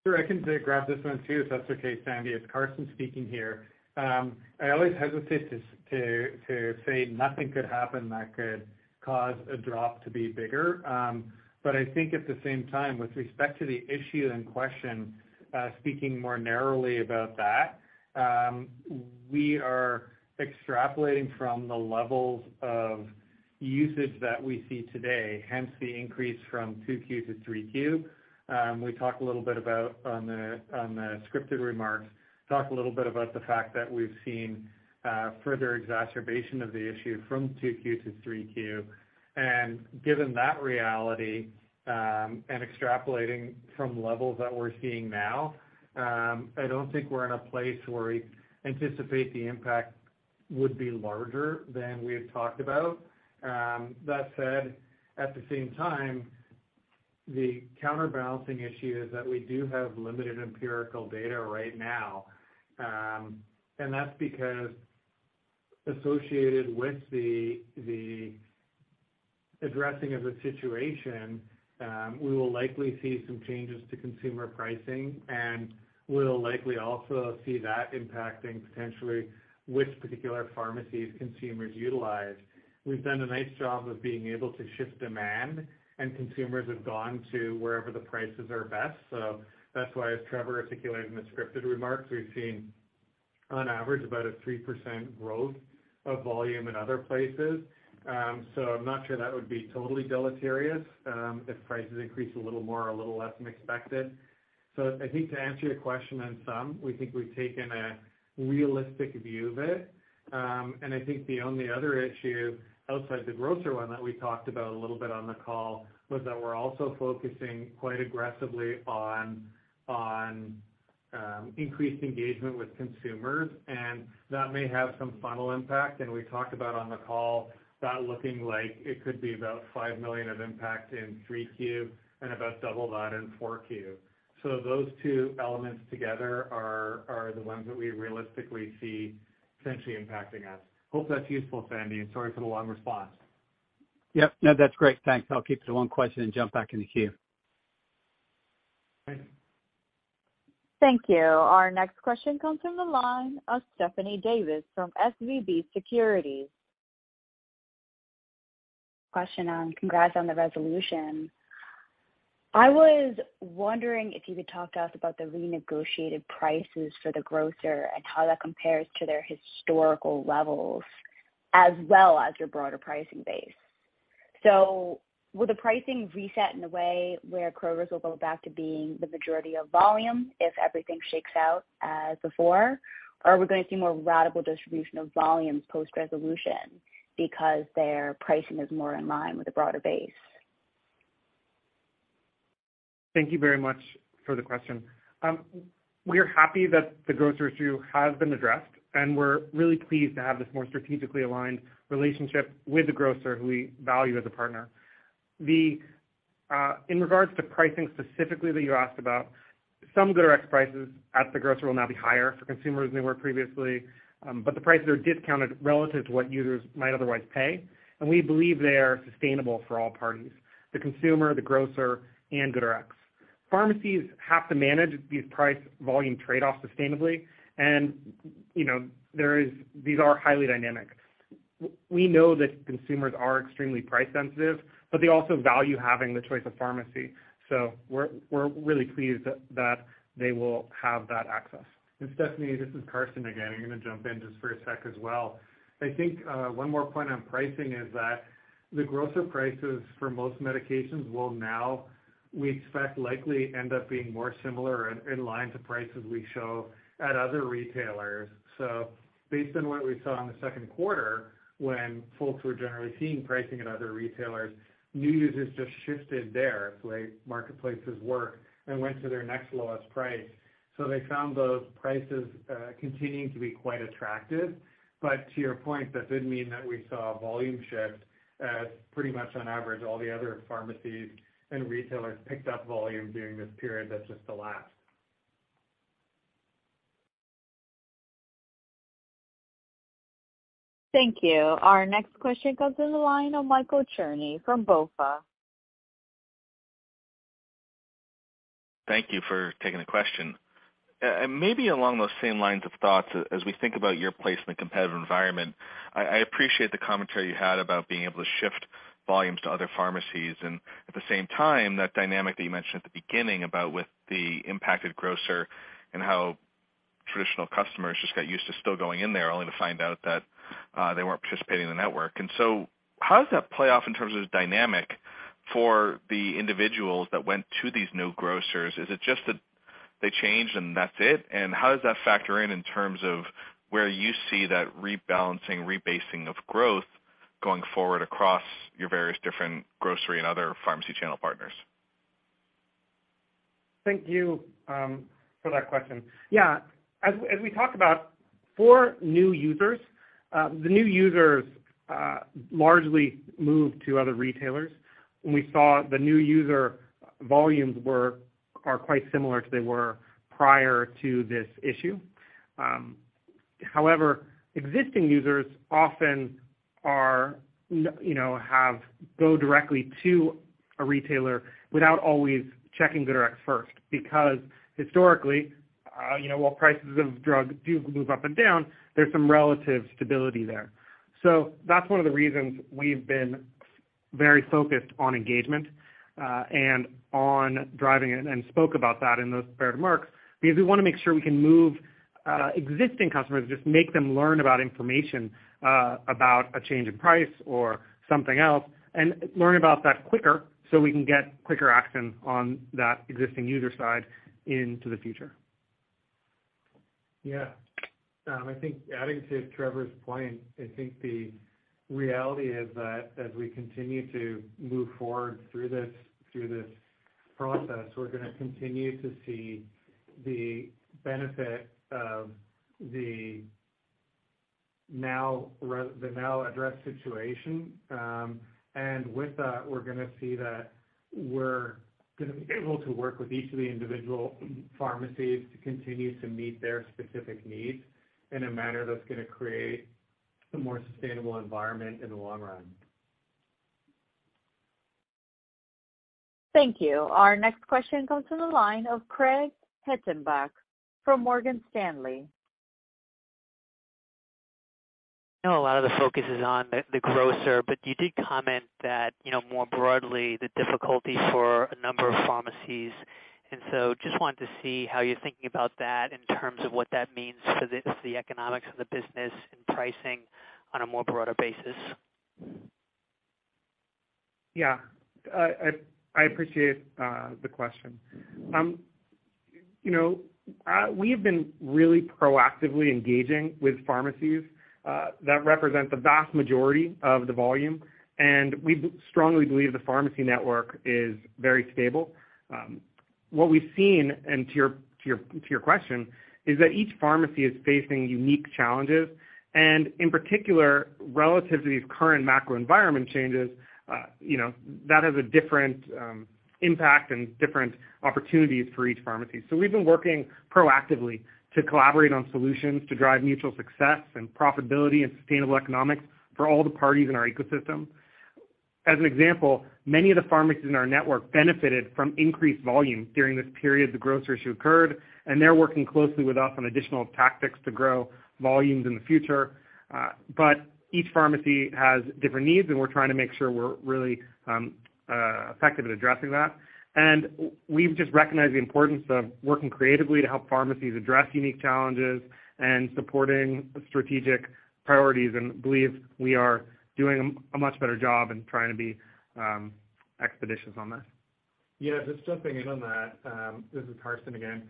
Sure. I can grab this one too, if that's okay, Sandy. It's Karsten speaking here. I always hesitate to say nothing could happen that could cause a drop to be bigger. I think at the same time, with respect to the issue in question, speaking more narrowly about that, we are extrapolating from the levels of usage that we see today, hence the increase from 2Q to 3Q. We talked a little bit about on the scripted remarks, talked a little bit about the fact that we've seen further exacerbation of the issue from 2Q to 3Q. Given that reality, and extrapolating from levels that we're seeing now, I don't think we're in a place where we anticipate the impact would be larger than we had talked about. That said, at the same time, the counterbalancing issue is that we do have limited empirical data right now. That's because associated with the addressing of the situation, we will likely see some changes to consumer pricing, and we'll likely also see that impacting potentially which particular pharmacies consumers utilize. We've done a nice job of being able to shift demand, and consumers have gone to wherever the prices are best. That's why, as Trevor articulated in the scripted remarks, we've seen on average about a 3% growth of volume in other places. I'm not sure that would be totally deleterious if prices increase a little more or a little less than expected. I think to answer your question on some, we think we've taken a realistic view of it. I think the only other issue outside the grocer one that we talked about a little bit on the call was that we're also focusing quite aggressively on increased engagement with consumers, and that may have some funnel impact. We talked about on the call that looking like it could be about $5 million of impact in 3Q and about double that in 4Q. Those two elements together are the ones that we realistically see potentially impacting us. Hope that's useful, Sandy, and sorry for the long response. Yep. No, that's great. Thanks. I'll keep it to one question and jump back in the queue. Great. Thank you. Our next question comes from the line of Stephanie Davis from SVB Securities. Question: Congrats on the resolution. I was wondering if you could talk to us about the renegotiated prices for the grocer and how that compares to their historical levels as well as your broader pricing base. Will the pricing reset in a way where grocers will go back to being the majority of volume if everything shakes out as before? Or are we going to see more radical distribution of volumes post-resolution because their pricing is more in line with a broader base? Thank you very much for the question. We're happy that the grocer issue has been addressed, and we're really pleased to have this more strategically aligned relationship with the grocer who we value as a partner. In regards to pricing specifically that you asked about, some GoodRx prices at the grocer will now be higher for consumers than they were previously, but the prices are discounted relative to what users might otherwise pay, and we believe they are sustainable for all parties, the consumer, the grocer, and GoodRx. Pharmacies have to manage these price volume trade-offs sustainably and, you know, these are highly dynamic. We know that consumers are extremely price sensitive, but they also value having the choice of pharmacy. We're really pleased that they will have that access. Stephanie, this is Karsten again. I'm gonna jump in just for a sec as well. I think, one more point on pricing is that the grocer prices for most medications will now, we expect, likely end up being more similar or in line to prices we show at other retailers. Based on what we saw in the second quarter when folks were generally seeing pricing at other retailers, new users just shifted there. It's the way marketplaces work and went to their next lowest price. They found those prices, continuing to be quite attractive. But to your point, that did mean that we saw a volume shift as pretty much on average, all the other pharmacies and retailers picked up volume during this period. That's just the last. Thank you. Our next question comes from the line of Michael Cherny from BofA. Thank you for taking the question. Maybe along those same lines of thoughts as we think about your place in the competitive environment, I appreciate the commentary you had about being able to shift volumes to other pharmacies and at the same time, that dynamic that you mentioned at the beginning about with the impacted grocer and how traditional customers just got used to still going in there, only to find out that they weren't participating in the network. How does that play off in terms of the dynamic for the individuals that went to these new grocers? Is it just that they changed and that's it? How does that factor in terms of where you see that rebalancing, rebasing of growth going forward across your various different grocery and other pharmacy channel partners? Thank you for that question. Yeah. As we talked about, for new users, the new users largely moved to other retailers. We saw the new user volumes are quite similar to what they were prior to this issue. However, existing users often, you know, go directly to a retailer without always checking GoodRx first, because historically, you know, while prices of drugs do move up and down, there's some relative stability there. That's one of the reasons we've been very focused on engagement, and on driving, and spoke about that in those prepared remarks, because we wanna make sure we can move existing customers, just make them learn about information about a change in price or something else, and learn about that quicker so we can get quicker action on that existing user side into the future. Yeah. I think adding to Trevor's point, I think the reality is that as we continue to move forward through this process, we're gonna continue to see the benefit of the now addressed situation. With that, we're gonna see that we're gonna be able to work with each of the individual pharmacies to continue to meet their specific needs in a manner that's gonna create a more sustainable environment in the long run. Thank you. Our next question goes to the line of Craig Hettenbach from Morgan Stanley. I know a lot of the focus is on the grocer, but you did comment that, you know, more broadly, the difficulty for a number of pharmacies. Just wanted to see how you're thinking about that in terms of what that means for the economics of the business and pricing on a more broader basis. Yeah. I appreciate the question. You know, we have been really proactively engaging with pharmacies that represent the vast majority of the volume, and we strongly believe the pharmacy network is very stable. What we've seen and to your question, is that each pharmacy is facing unique challenges, and in particular, relative to these current macro environment changes, you know, that has a different impact and different opportunities for each pharmacy. So we've been working proactively to collaborate on solutions to drive mutual success and profitability and sustainable economics for all the parties in our ecosystem. As an example, many of the pharmacies in our network benefited from increased volume during this period the grocer issue occurred, and they're working closely with us on additional tactics to grow volumes in the future. Each pharmacy has different needs, and we're trying to make sure we're really effective at addressing that. We've just recognized the importance of working creatively to help pharmacies address unique challenges and supporting strategic priorities, and believe we are doing a much better job in trying to be expeditious on that. Yeah. Just jumping in on that, this is Karsten again.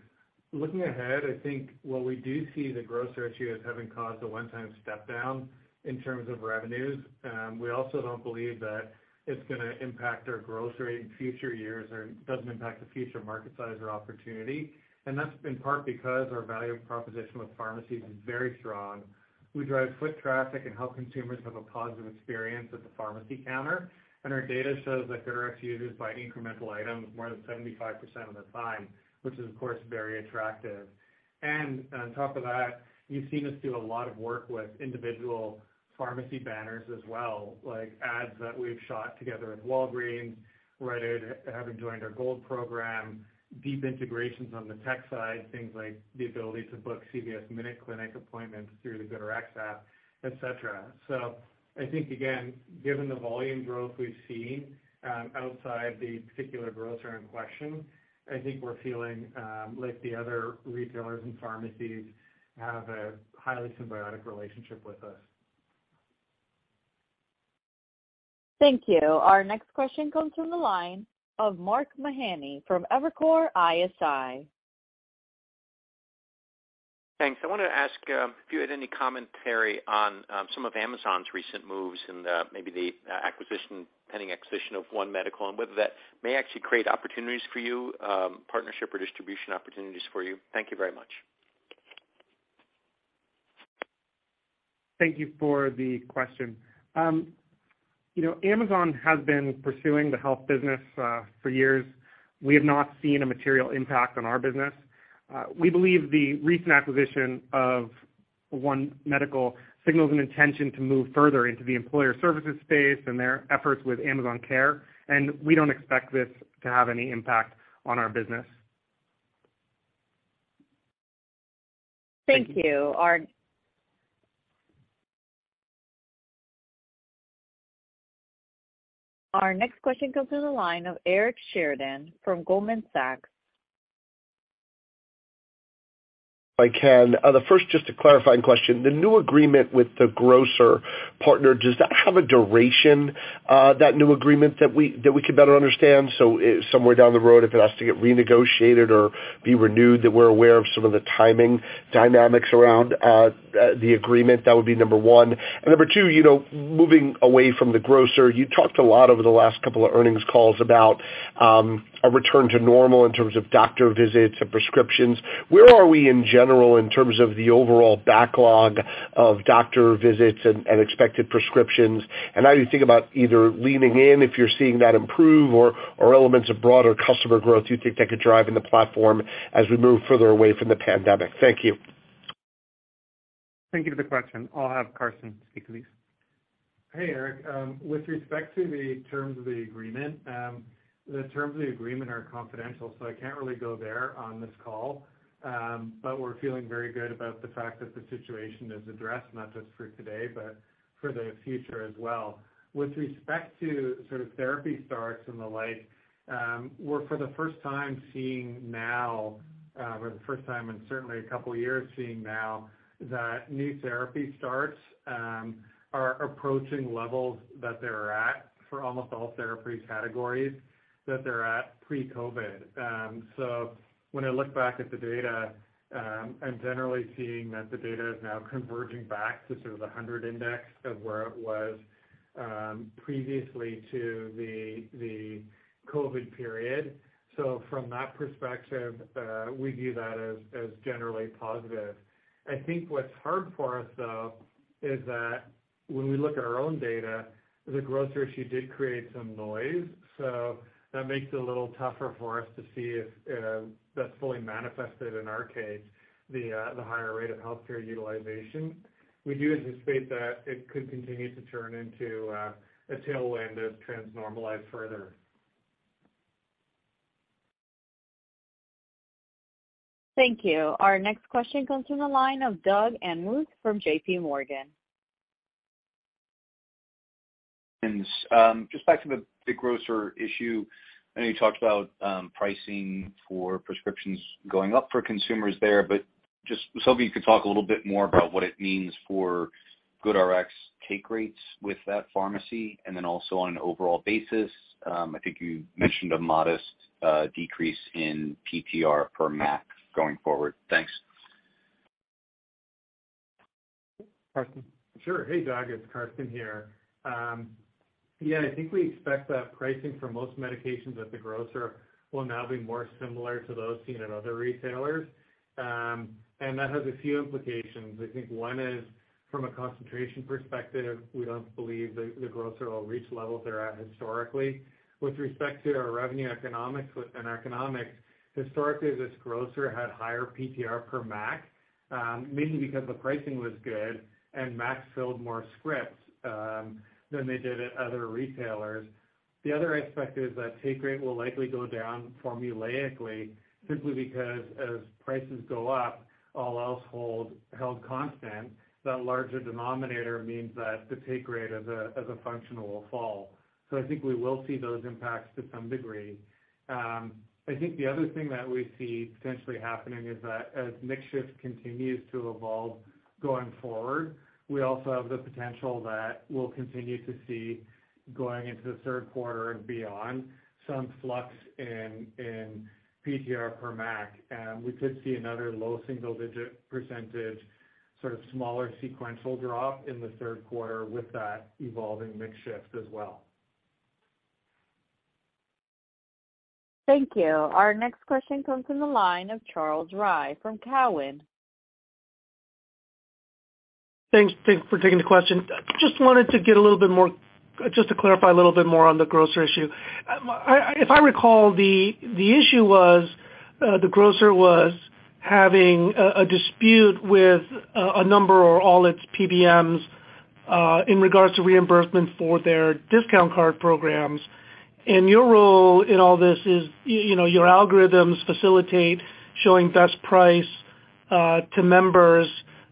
Looking ahead, I think while we do see the grocery issue as having caused a one-time step down in terms of revenues, we also don't believe that it's gonna impact our grocery in future years or doesn't impact the future market size or opportunity. That's in part because our value proposition with pharmacies is very strong. We drive foot traffic and help consumers have a positive experience at the pharmacy counter, and our data shows that GoodRx users buy an incremental item more than 75% of the time, which is, of course, very attractive. On top of that, you've seen us do a lot of work with individual pharmacy banners as well, like ads that we've shot together with Walgreens, Rite Aid having joined our Gold program, deep integrations on the tech side, things like the ability to book CVS MinuteClinic appointments through the GoodRx app, et cetera. I think, again, given the volume growth we've seen outside the particular grocer in question, I think we're feeling like the other retailers and pharmacies have a highly symbiotic relationship with us. Thank you. Our next question comes from the line of Mark Mahaney from Evercore ISI. Thanks. I wanna ask if you had any commentary on some of Amazon's recent moves, maybe the pending acquisition of One Medical, and whether that may actually create opportunities for you, partnership or distribution opportunities for you? Thank you very much. Thank you for the question. You know, Amazon has been pursuing the health business for years. We have not seen a material impact on our business. We believe the recent acquisition of One Medical signals an intention to move further into the employer services space and their efforts with Amazon Care, and we don't expect this to have any impact on our business. Thank you. Our next question comes to the line of Eric Sheridan from Goldman Sachs. If I can, the first just a clarifying question. The new agreement with the grocer partner, does that have a duration, that new agreement that we can better understand? Somewhere down the road, if it has to get renegotiated or be renewed, that we're aware of some of the timing dynamics around the agreement. That would be number one. Number two, you know, moving away from the grocer, you talked a lot over the last couple of earnings calls about a return to normal in terms of doctor visits and prescriptions. Where are we in general in terms of the overall backlog of doctor visits and expected prescriptions? How do you think about either leaning in if you're seeing that improve or elements of broader customer growth you think that could drive in the platform as we move further away from the pandemic? Thank you. Thank you for the question. I'll have Karsten speak to these. Hey, Eric. With respect to the terms of the agreement, the terms of the agreement are confidential, so I can't really go there on this call. We're feeling very good about the fact that the situation is addressed, not just for today, but for the future as well. With respect to sort of therapy starts and the like, we're for the first time in certainly a couple years seeing now that new therapy starts are approaching levels that they're at for almost all therapy categories that they're at pre-COVID. When I look back at the data, I'm generally seeing that the data is now converging back to sort of the 100 index of where it was previously to the COVID period. From that perspective, we view that as generally positive. I think what's hard for us, though, is that when we look at our own data, the grocer issue did create some noise, so that makes it a little tougher for us to see if that's fully manifested in our case, the higher rate of healthcare utilization. We do anticipate that it could continue to turn into a tailwind as trends normalize further. Thank you. Our next question comes from the line of Doug Anmuth from JPMorgan. Just back to the grocer issue. I know you talked about pricing for prescriptions going up for consumers there, but just was hoping you could talk a little bit more about what it means for GoodRx take rates with that pharmacy and then also on an overall basis. I think you mentioned a modest decrease in PTR per MAC going forward. Thanks. Karsten. Sure. Hey, Doug. It's Karsten here. Yeah, I think we expect that pricing for most medications at the grocer will now be more similar to those seen at other retailers. That has a few implications. I think one is from a concentration perspective, we don't believe the grocer will reach levels they're at historically. With respect to our revenue economics and economics, historically, this grocer had higher PTR per MAC, mainly because the pricing was good. MACs filled more scripts than they did at other retailers. The other aspect is that take rate will likely go down formulaically simply because as prices go up, all else held constant, that larger denominator means that the take rate as a function will fall. I think we will see those impacts to some degree. I think the other thing that we see potentially happening is that as mix shift continues to evolve going forward, we also have the potential that we'll continue to see going into the third quarter and beyond, some flux in PTR per MAC. We could see another low single-digit % sort of smaller sequential drop in the third quarter with that evolving mix shift as well. Thank you. Our next question comes from the line of Charles Rhyee from Cowen. Thanks for taking the question. Just wanted to get a little bit more, just to clarify a little bit more on the grocer issue. If I recall, the issue was the grocer was having a dispute with a number or all its PBMs in regards to reimbursement for their discount card programs. Your role in all this is you know, your algorithms facilitate showing best price to members,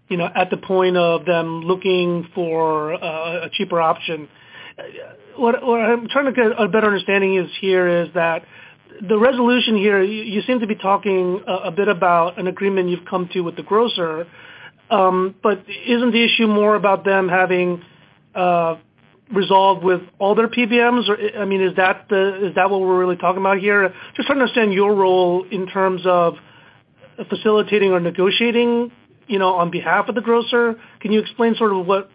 you know, at the point of them looking for a cheaper option. What I'm trying to get a better understanding is that the resolution here, you seem to be talking a bit about an agreement you've come to with the grocer, but isn't the issue more about them having resolved with all their PBMs? I mean, is that what we're really talking about here? Just to understand your role in terms of facilitating or negotiating, you know, on behalf of the grocer. Can you explain sort of what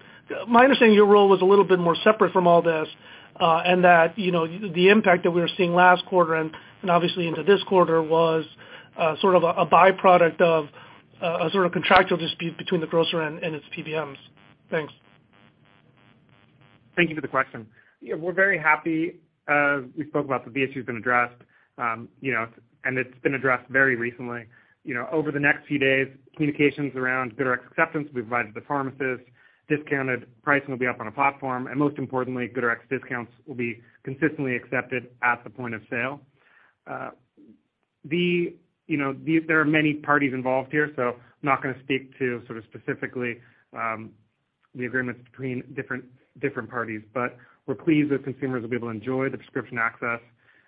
my understanding is. Your role was a little bit more separate from all this, and that, you know, the impact that we were seeing last quarter and obviously into this quarter was sort of a byproduct of a sort of contractual dispute between the grocer and its PBMs. Thanks. Thank you for the question. Yeah, we're very happy. We spoke about the issue's been addressed, you know, and it's been addressed very recently. You know, over the next few days, communications around GoodRx acceptance will be provided to the pharmacist. Discounted pricing will be up on a platform, and most importantly, GoodRx discounts will be consistently accepted at the point of sale. You know, there are many parties involved here, so I'm not gonna speak to sort of specifically the agreements between different parties. We're pleased that consumers will be able to enjoy the prescription access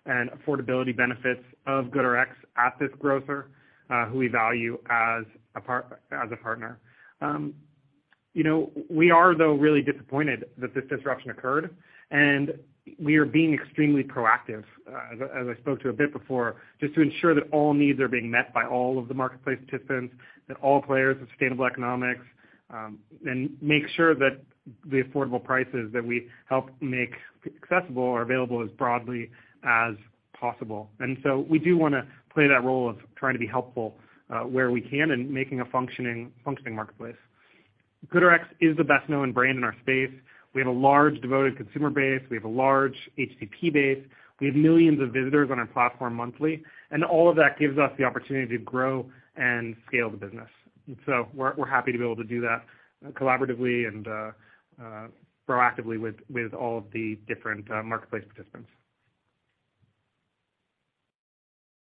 and affordability benefits of GoodRx at this grocer who we value as a partner. You know, we are, though, really disappointed that this disruption occurred, and we are being extremely proactive, as I spoke to a bit before, just to ensure that all needs are being met by all of the marketplace participants, that all players have sustainable economics, and make sure that the affordable prices that we help make accessible are available as broadly as possible. We do wanna play that role of trying to be helpful, where we can in making a functioning marketplace. GoodRx is the best-known brand in our space. We have a large devoted consumer base. We have a large HCP base. We have millions of visitors on our platform monthly, and all of that gives us the opportunity to grow and scale the business. We're happy to be able to do that collaboratively and proactively with all of the different marketplace participants.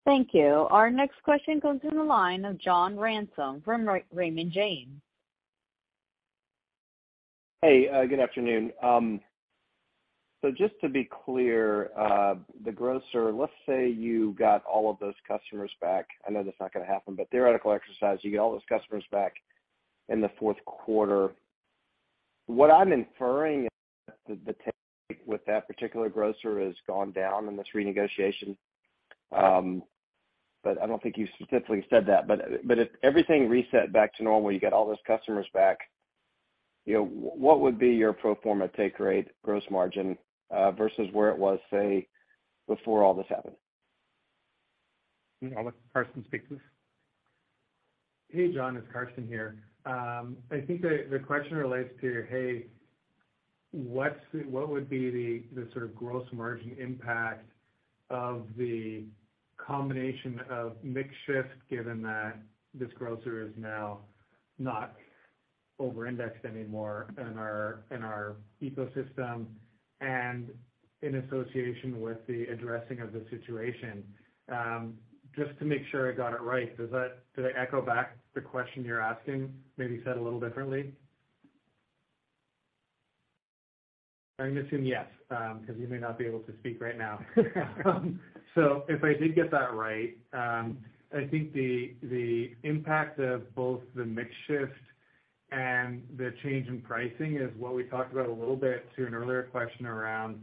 Thank you. Our next question comes from the line of John Ransom from Raymond James. Hey, good afternoon. Just to be clear, the grocer, let's say you got all of those customers back. I know that's not gonna happen, but theoretical exercise, you get all those customers back in the fourth quarter. What I'm inferring is that the take with that particular grocer has gone down in this renegotiation, but I don't think you specifically said that. If everything reset back to normal, you get all those customers back, you know, what would be your pro forma take rate gross margin, versus where it was, say, before all this happened? I'll let Karsten speak to this. Hey, John, it's Karsten here. I think the question relates to, hey, what's the—what would be the sort of gross margin impact of the combination of mix shift given that this grocer is now not over-indexed anymore in our ecosystem and in association with the addressing of the situation? Just to make sure I got it right, does that, did I echo back the question you're asking, maybe said a little differently? I'm gonna assume yes, because you may not be able to speak right now. If I did get that right, I think the impact of both the mix shift and the change in pricing is what we talked about a little bit to an earlier question around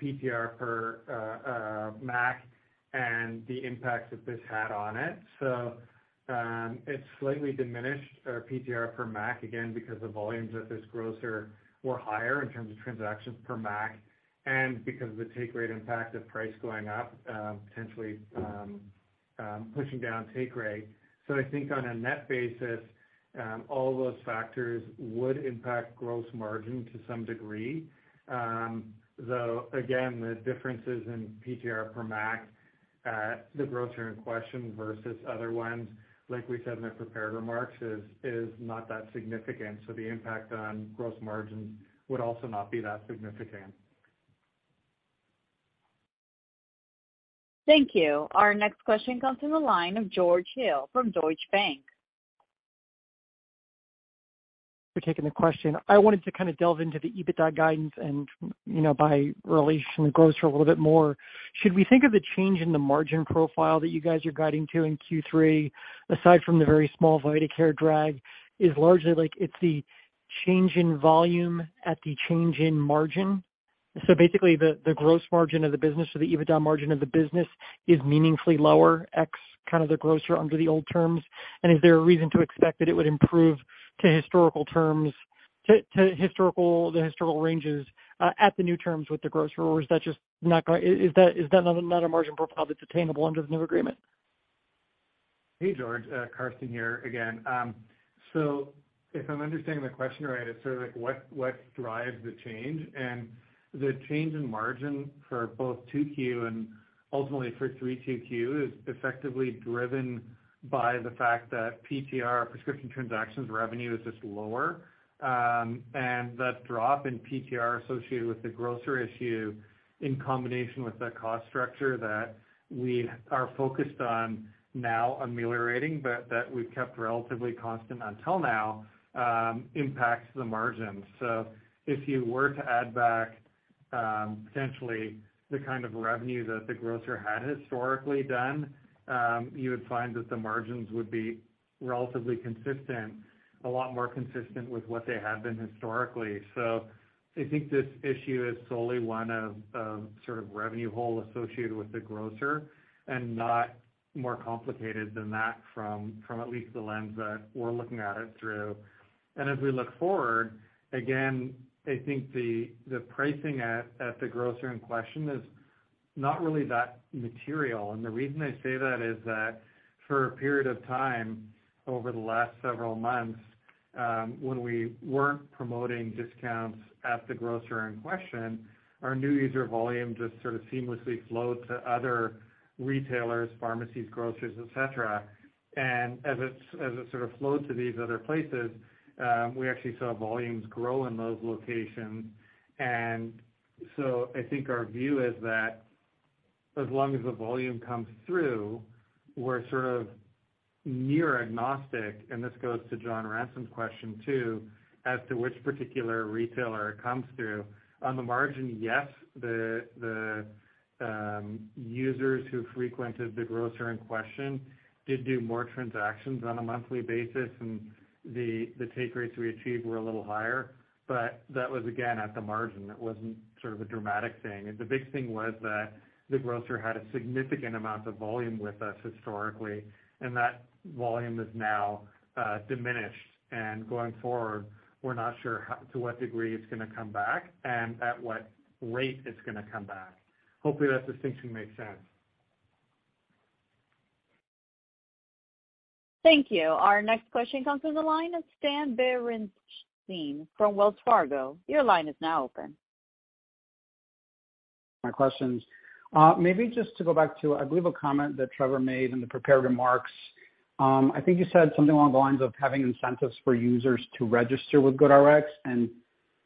PTR per MAC and the impact that this had on it. It's slightly diminished our PTR per MAC, again, because the volumes at this grocer were higher in terms of transactions per MAC and because of the take rate impact of price going up, potentially pushing down take rate. I think on a net basis, all those factors would impact gross margin to some degree. Though again, the differences in PTR per MAC at the grocer in question versus other ones, like we said in the prepared remarks, is not that significant. The impact on gross margins would also not be that significant. Thank you. Our next question comes from the line of George Hill from Deutsche Bank. Thanks for taking the question. I wanted to kinda delve into the EBITDA guidance and, you know, by relation to the Kroger a little bit more. Should we think of the change in the margin profile that you guys are guiding to in Q3, aside from the very small vitaCare drag, is largely like it's the change in volume and the change in margin? So basically, the gross margin of the business or the EBITDA margin of the business is meaningfully lower, ex kind of the Kroger under the old terms. Is there a reason to expect that it would improve to historical terms, to historical ranges, under the new terms with the Kroger? Or is that just not gonna? Is that not a margin profile that's attainable under the new agreement? Hey, George. Karsten here again. If I'm understanding the question right, it's sort of like what drives the change? The change in margin for both 2Q and ultimately for 3Q is effectively driven by the fact that PTR, prescription transactions revenue, is just lower. That drop in PTR associated with the grocer issue in combination with the cost structure that we are focused on now ameliorating, but that we've kept relatively constant until now, impacts the margins. If you were to add back potentially the kind of revenue that the grocer had historically done, you would find that the margins would be relatively consistent, a lot more consistent with what they have been historically. I think this issue is solely one of sort of revenue hole associated with the grocer and not more complicated than that from at least the lens that we're looking at it through. As we look forward, again, I think the pricing at the grocer in question is not really that material. The reason I say that is that for a period of time over the last several months, when we weren't promoting discounts at the grocer in question, our new user volume just sort of seamlessly flowed to other retailers, pharmacies, grocers, et cetera. As it sort of flowed to these other places, we actually saw volumes grow in those locations. I think our view is that as long as the volume comes through, we're sort of near agnostic, and this goes to John Ransom's question too, as to which particular retailer it comes through. On the margin, yes, the users who frequented the grocer in question did do more transactions on a monthly basis, and the take rates we achieved were a little higher. But that was, again, at the margin. It wasn't sort of a dramatic thing. The big thing was that the grocer had a significant amount of volume with us historically, and that volume is now diminished. Going forward, we're not sure how to what degree it's gonna come back and at what rate it's gonna come back. Hopefully, that distinction makes sense. Thank you. Our next question comes from the line of Stan Berenshteyn from Wells Fargo. Your line is now open. My questions. Maybe just to go back to, I believe, a comment that Trevor made in the prepared remarks. I think you said something along the lines of having incentives for users to register with GoodRx and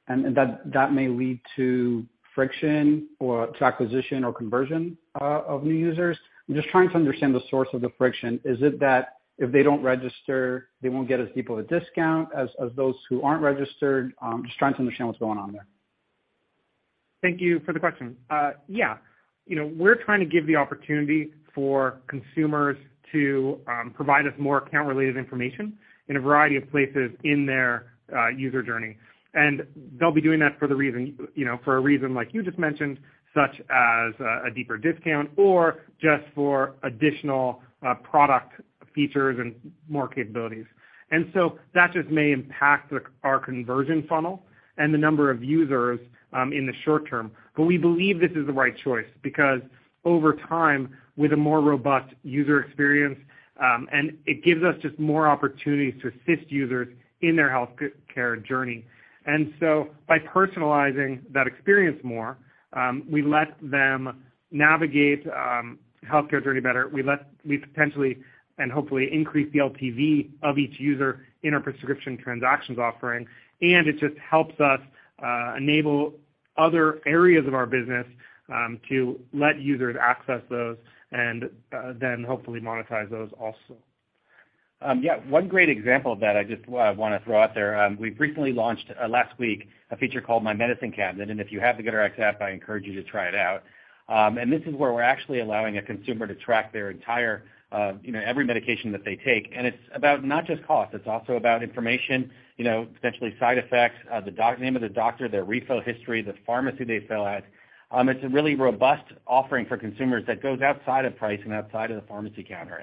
that may lead to friction or to acquisition or conversion of new users. I'm just trying to understand the source of the friction. Is it that if they don't register, they won't get as deep of a discount as those who aren't registered? Just trying to understand what's going on there. Thank you for the question. Yeah. You know, we're trying to give the opportunity for consumers to provide us more account-related information in a variety of places in their user journey. They'll be doing that for the reason, you know, for a reason like you just mentioned, such as a deeper discount or just for additional product features and more capabilities. That just may impact our conversion funnel and the number of users in the short term. We believe this is the right choice because over time, with a more robust user experience, and it gives us just more opportunities to assist users in their healthcare journey. By personalizing that experience more, we let them navigate healthcare journey better. We potentially and hopefully increase the LTV of each user in our prescription transactions offering. It just helps us enable other areas of our business to let users access those and then hopefully monetize those also. Yeah, one great example of that I just wanna throw out there, we've recently launched last week, a feature called My Medicine Cabinet, and if you have the GoodRx app, I encourage you to try it out. This is where we're actually allowing a consumer to track their entire, you know, every medication that they take, and it's about not just cost, it's also about information, you know, potentially side effects, the name of the doctor, their refill history, the pharmacy they fill at. It's a really robust offering for consumers that goes outside of pricing, outside of the pharmacy counter.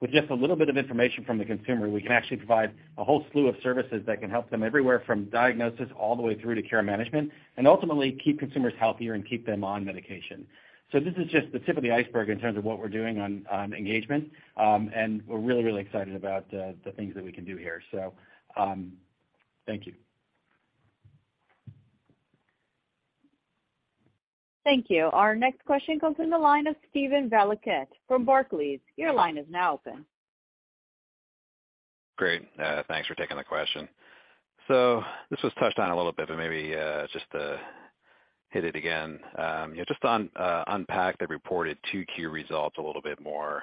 With just a little bit of information from the consumer, we can actually provide a whole slew of services that can help them everywhere from diagnosis all the way through to care management, and ultimately keep consumers healthier and keep them on medication. This is just the tip of the iceberg in terms of what we're doing on engagement, and we're really excited about the things that we can do here. Thank you. Thank you. Our next question comes from the line of Steven Valiquette from Barclays. Your line is now open. Great. Thanks for taking the question. This was touched on a little bit, but maybe just to hit it again. Yeah, just on unpack the reported two key results a little bit more.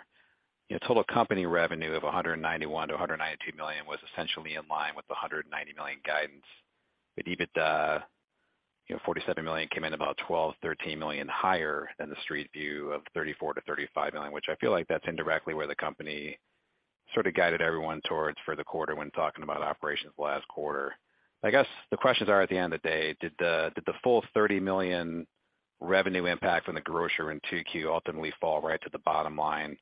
You know, total company revenue of $191 million-$192 million was essentially in line with the $190 million guidance. EBITDA, you know, $47 million came in about $12 million-$13 million higher than the street view of $34 million-$35 million, which I feel like that's indirectly where the company sort of guided everyone towards for the quarter when talking about operations last quarter. I guess the questions are at the end of the day, did the full $30 million revenue impact from the grocer in 2Q ultimately fall right to the bottom line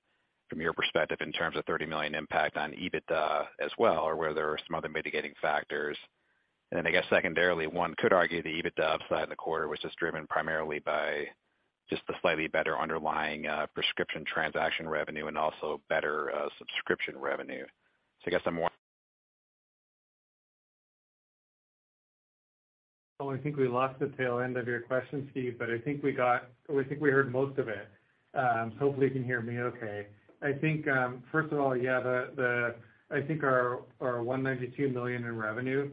from your perspective in terms of $30 million impact on EBITDA as well, or were there some other mitigating factors? I guess secondarily, one could argue the EBITDA upside in the quarter was just driven primarily by just the slightly better underlying prescription transaction revenue and also better subscription revenue. I guess I'm more- Oh, I think we lost the tail end of your question, Steve, but we think we heard most of it. Hopefully you can hear me okay. I think, first of all, yeah, the I think our $192 million in revenue,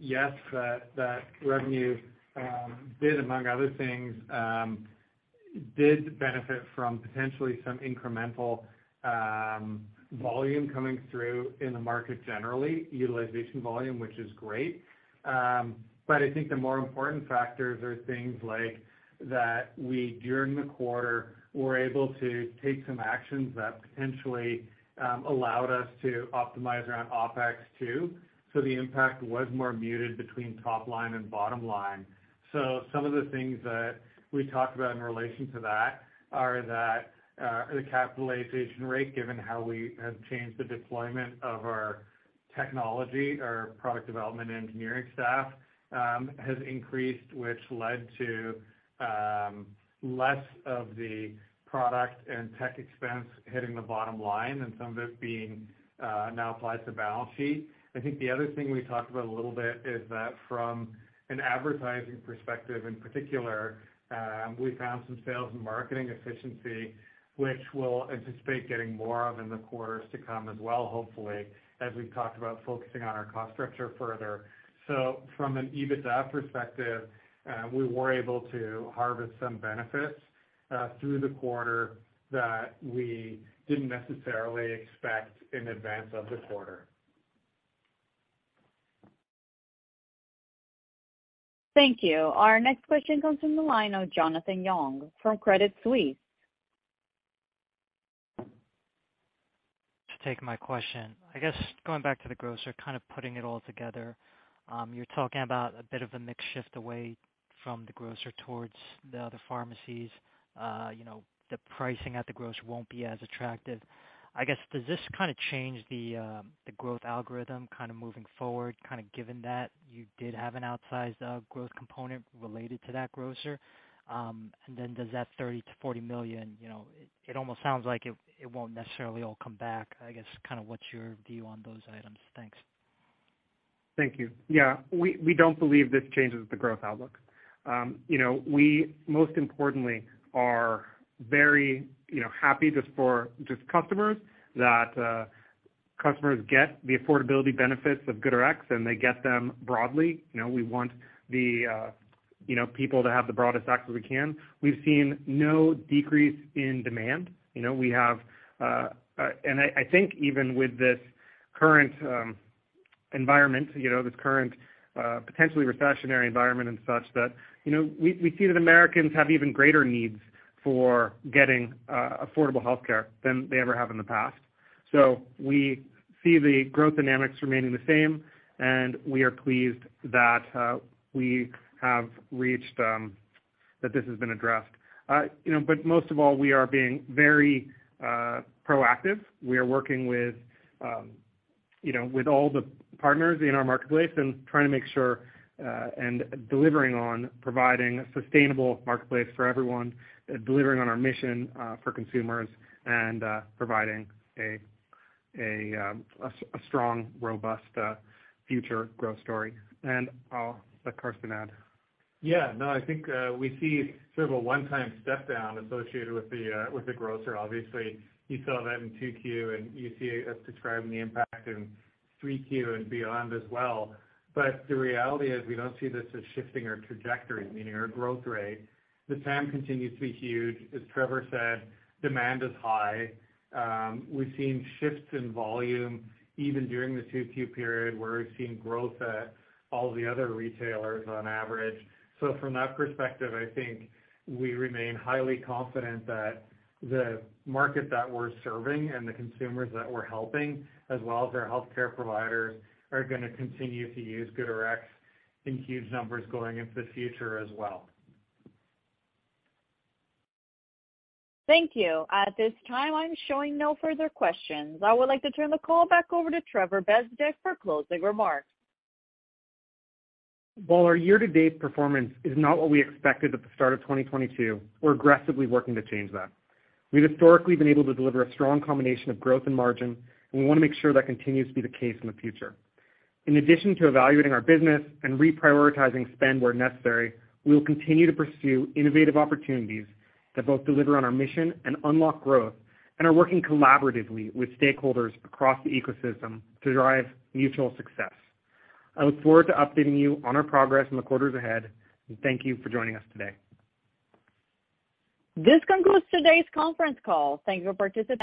yes, that revenue, did among other things, did benefit from potentially some incremental volume coming through in the market generally, utilization volume, which is great. But I think the more important factors are things like that we, during the quarter, were able to take some actions that potentially allowed us to optimize around OpEx too. The impact was more muted between top line and bottom line. Some of the things that we talked about in relation to that are that the capitalization rate, given how we have changed the deployment of our technology, our product development engineering staff, has increased, which led to less of the product and tech expense hitting the bottom line and some of it being now applied to balance sheet. I think the other thing we talked about a little bit is that from an advertising perspective in particular, we found some sales and marketing efficiency which we'll anticipate getting more of in the quarters to come as well, hopefully, as we've talked about focusing on our cost structure further. From an EBITDA perspective, we were able to harvest some benefits through the quarter that we didn't necessarily expect in advance of the quarter. Thank you. Our next question comes from the line of Jonathan Yong from Credit Suisse. To take my question. I guess going back to the grocer, kind of putting it all together, you're talking about a bit of a mix shift away from the grocer towards the other pharmacies. You know, the pricing at the grocer won't be as attractive. I guess, does this kinda change the growth algorithm kinda moving forward, kinda given that you did have an outsized growth component related to that grocer? And then does that $30 million-$40 million, you know, it almost sounds like it won't necessarily all come back. I guess kind of what's your view on those items? Thanks. Thank you. Yeah. We don't believe this changes the growth outlook. You know, we most importantly are very happy for customers that get the affordability benefits of GoodRx, and they get them broadly. You know, we want people to have the broadest access we can. We've seen no decrease in demand. I think even with this current, you know, potentially recessionary environment and such that we see that Americans have even greater needs for getting affordable healthcare than they ever have in the past. We see the growth dynamics remaining the same, and we are pleased that we have reached that this has been addressed. You know, most of all, we are being very proactive. We are working with, you know, with all the partners in our marketplace and trying to make sure, and delivering on providing a sustainable marketplace for everyone, delivering on our mission, for consumers and, providing a strong, robust, future growth story. I'll let Karsten add. Yeah. No, I think we see sort of a one-time step down associated with the grocer, obviously. You saw that in 2Q, and you see us describing the impact in 3Q and beyond as well. The reality is we don't see this as shifting our trajectory, meaning our growth rate. The TAM continues to be huge. As Trevor said, demand is high. We've seen shifts in volume even during the 2Q period where we've seen growth at all the other retailers on average. From that perspective, I think we remain highly confident that the market that we're serving and the consumers that we're helping, as well as our healthcare providers, are gonna continue to use GoodRx in huge numbers going into the future as well. Thank you. At this time, I'm showing no further questions. I would like to turn the call back over to Trevor Bezdek for closing remarks. While our year-to-date performance is not what we expected at the start of 2022, we're aggressively working to change that. We've historically been able to deliver a strong combination of growth and margin, and we wanna make sure that continues to be the case in the future. In addition to evaluating our business and reprioritizing spend where necessary, we will continue to pursue innovative opportunities that both deliver on our mission and unlock growth and are working collaboratively with stakeholders across the ecosystem to drive mutual success. I look forward to updating you on our progress in the quarters ahead, and thank you for joining us today. This concludes today's conference call. Thank you for participating.